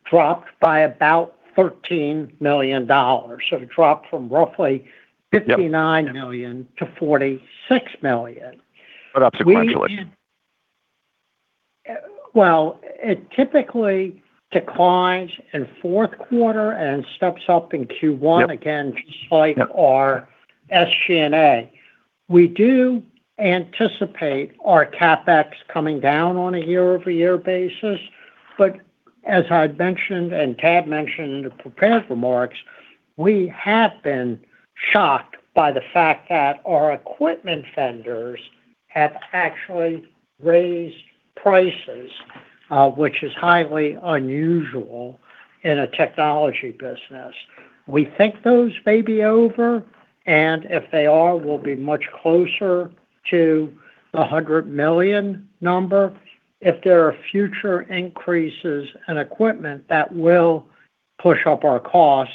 B: dropped by about $13 million. It dropped from roughly.
I: Yep
B: $59 million-$46 million.
I: Up sequentially.
B: Well, it typically declines in fourth quarter and steps up in Q1 again.
I: Yep...
B: just like our SG&A. We do anticipate our CapEx coming down on a year-over-year basis. As I mentioned, and Tad mentioned in the prepared remarks, we have been shocked by the fact that our equipment vendors have actually raised prices, which is highly unusual in a technology business. We think those may be over, and if they are, we'll be much closer to the 100 million number. If there are future increases in equipment, that will push up our costs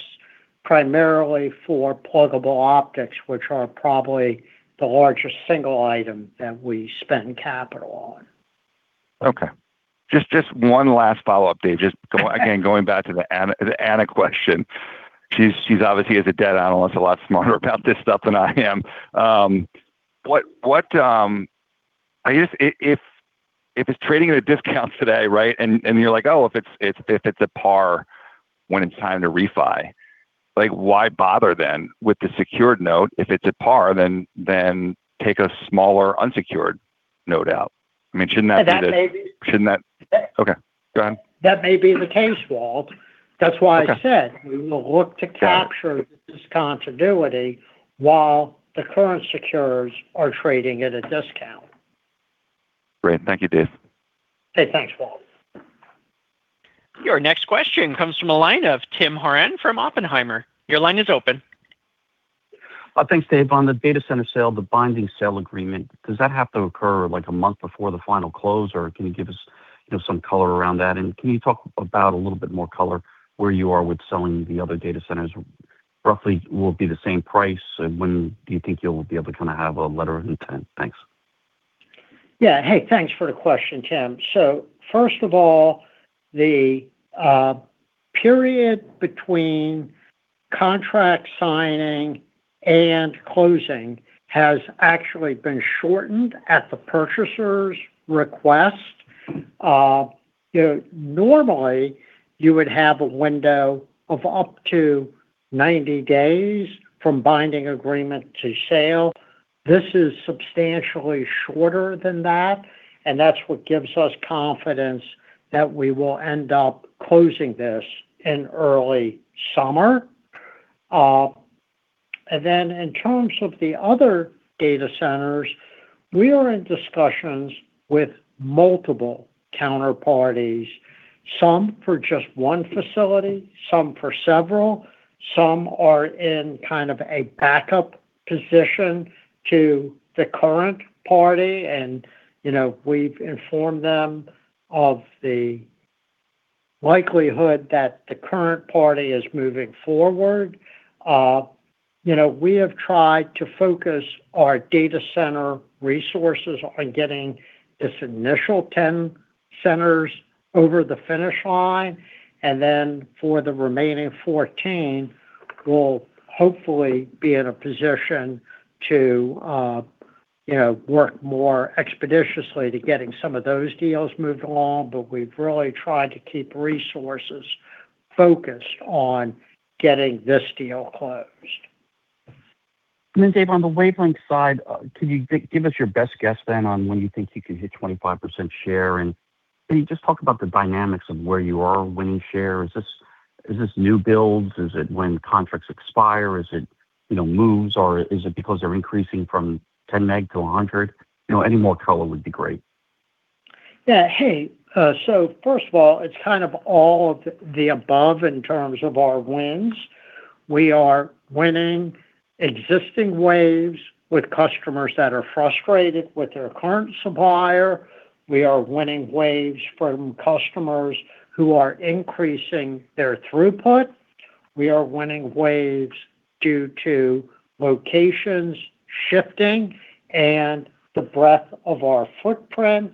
B: primarily for pluggable optics, which are probably the largest single item that we spend capital on.
I: Okay. Just one last follow-up, Dave.
B: Okay
I: again, going back to the Ana, the Ana question. She's obviously is a debt analyst, a lot smarter about this stuff than I am. What, I guess if it's trading at a discount today, right? You're like, "Oh, if it's, if it's at par when it's time to refi," like why bother then with the secured note? If it's at par, then take a smaller unsecured note out. I mean, shouldn't that be the-
B: That may be-
I: Okay, go ahead.
B: That may be the case, Walt.
I: Okay.
B: That's why I said.
I: Got it.
B: we will look to capture this discontinuity while the current secures are trading at a discount.
I: Great. Thank you, Dave.
B: Okay, thanks, Walt.
A: Your next question comes from a line of Timothy Horan from Oppenheimer & Co. Inc. Your line is open.
J: Thanks, Dave. On the data center sale, the binding sale agreement, does that have to occur like a month before the final close, or can you give us, you know, some color around that? Can you talk about a little bit more color where you are with selling the other data centers? Roughly will it be the same price, when do you think you'll be able to kinda have a letter of intent? Thanks.
B: Yeah. Hey, thanks for the question, Tim. First of all, the period between contract signing and closing has actually been shortened at the purchaser's request. You know, normally you would have a window of up to 90 days from binding agreement to sale. This is substantially shorter than that, and that's what gives us confidence that we will end up closing this in early summer. Then in terms of the other data centers, we are in discussions with multiple counterparties, some for just 1 facility, some for several. Some are in kind of a backup position to the current party and, you know, we've informed them of the likelihood that the current party is moving forward. You know, we have tried to focus our data center resources on getting this initial 10 centers over the finish line. For the remaining 14, we'll hopefully be in a position to, you know, work more expeditiously to getting some of those deals moved along. We've really tried to keep resources focused on getting this deal closed.
J: Dave, on the wavelength side, could you give us your best guess then on when you think you could hit 25% share? Can you just talk about the dynamics of where you are winning share? Is this new builds? Is it when contracts expire? Is it, you know, moves, or is it because they're increasing from 10 meg to 100? You know, any more color would be great.
B: Yeah. Hey, first of all, it's kind of all of the above in terms of our wins. We are winning existing waves with customers that are frustrated with their current supplier. We are winning waves from customers who are increasing their throughput. We are winning waves due to locations shifting and the breadth of our footprint.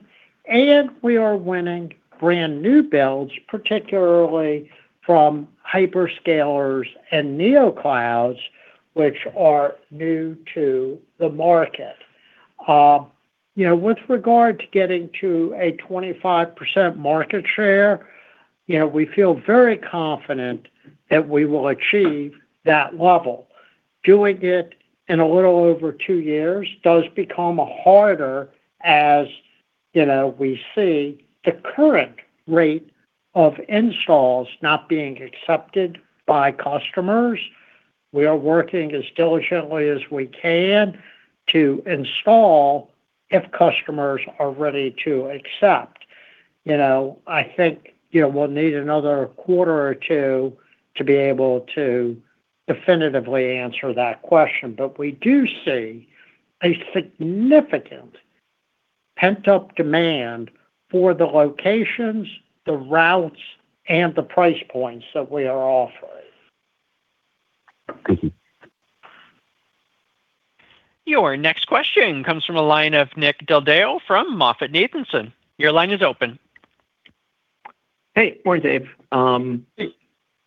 B: We are winning brand new builds, particularly from hyperscalers and neo clouds which are new to the market. You know, with regard to getting to a 25% market share, you know, we feel very confident that we will achieve that level. Doing it in a little over 2 years does become harder as, you know, we see the current rate of installs not being accepted by customers. We are working as diligently as we can to install if customers are ready to accept. You know, I think, you know, we'll need another quarter or two to be able to definitively answer that question. We do see a significant pent-up demand for the locations, the routes, and the price points that we are offering.
J: Thank you.
A: Your next question comes from a line of Nick Del Deo from MoffettNathanson. Your line is open.
K: Hey. Morning, Dave.
B: Hey.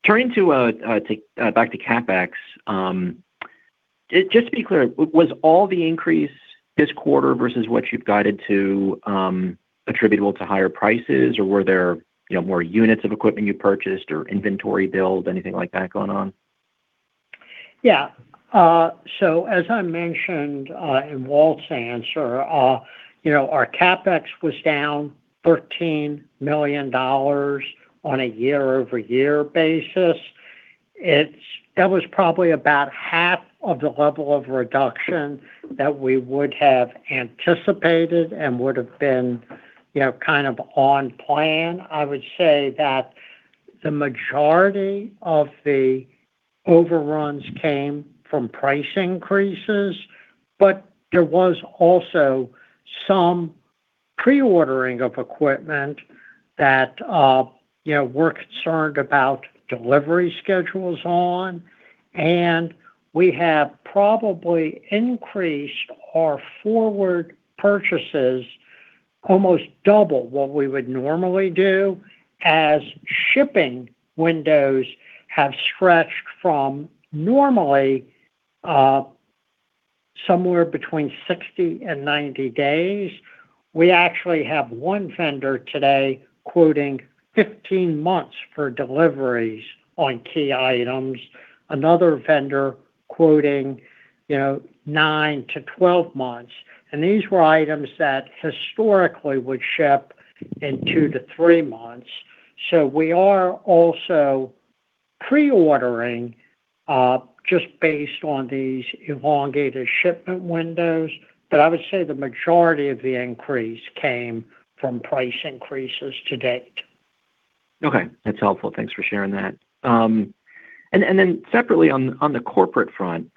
K: Turning back to CapEx, just to be clear, was all the increase this quarter versus what you've guided to, attributable to higher prices? Were there, you know, more units of equipment you purchased or inventory build, anything like that going on?
B: Yeah. As I mentioned, in Walt's answer, you know, our CapEx was down $13 million on a year-over-year basis. That was probably about half of the level of reduction that we would have anticipated and would've been, you know, kind of on plan. I would say that the majority of the overruns came from price increases, there was also some pre-ordering of equipment that, you know, we're concerned about delivery schedules on. We have probably increased our forward purchases almost double what we would normally do, as shipping windows have stretched from normally, somewhere between 60 and 90 days. We actually have one vendor today quoting 15 months for deliveries on key items. Another vendor quoting, you know, 9 to 12 months. These were items that historically would ship in 2 to 3 months. We are also pre-ordering, just based on these elongated shipment windows. I would say the majority of the increase came from price increases to date.
K: Okay. That's helpful. Thanks for sharing that. Separately on the corporate front,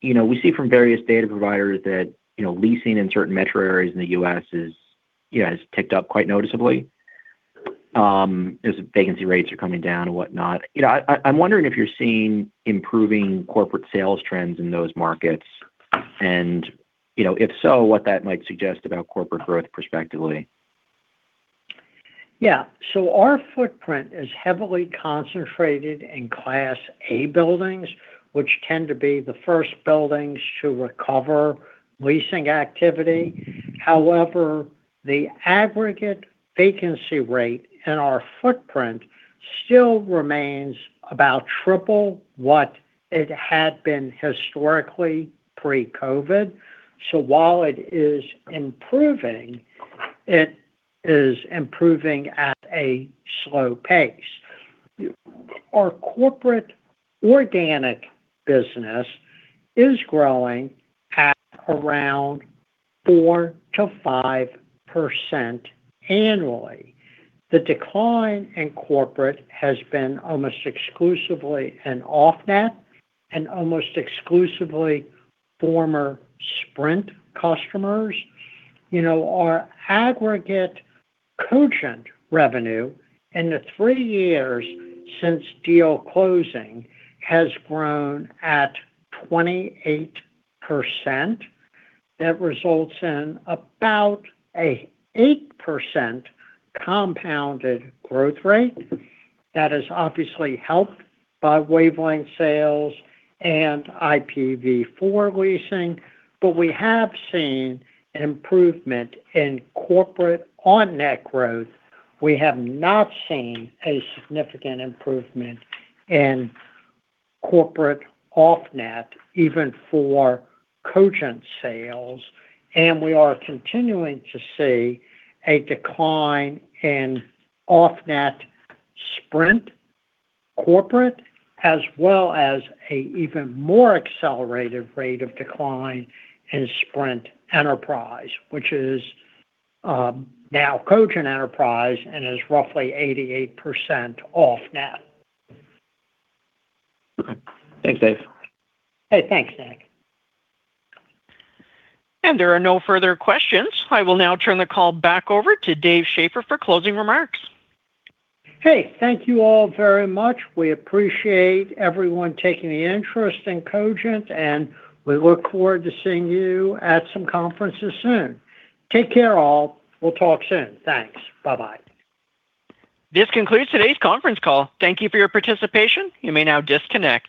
K: you know, we see from various data providers that, you know, leasing in certain metro areas in the U.S. is, you know, has ticked up quite noticeably as vacancy rates are coming down and whatnot. You know, I'm wondering if you're seeing improving corporate sales trends in those markets and, you know, if so, what that might suggest about corporate growth perspectively.
B: Yeah. Our footprint is heavily concentrated in Class A buildings, which tend to be the first buildings to recover leasing activity. The aggregate vacancy rate in our footprint still remains about triple what it had been historically pre-COVID. While it is improving, it is improving at a slow pace. Our corporate organic business is growing at around 4% to 5% annually. The decline in corporate has been almost exclusively an off-net and almost exclusively former Sprint customers. You know, our aggregate Cogent revenue in the 3 years since deal closing has grown at 28%. That results in about an 8% compounded growth rate. That is obviously helped by wavelength sales and IPv4 leasing. We have seen improvement in corporate on-net growth. We have not seen a significant improvement in corporate off-net, even for Cogent sales. We are continuing to see a decline in off-net Sprint corporate, as well as a even more accelerated rate of decline in Sprint Enterprise, which is now Cogent Enterprise and is roughly 88% off-net.
K: Okay. Thanks, Dave.
B: Hey, thanks, Nick.
A: There are no further questions. I will now turn the call back over to Dave Schaeffer for closing remarks.
B: Hey, thank you all very much. We appreciate everyone taking the interest in Cogent, and we look forward to seeing you at some conferences soon. Take care, all. We'll talk soon. Thanks. Bye-bye.
A: This concludes today's conference call. Thank you for your participation. You may now disconnect.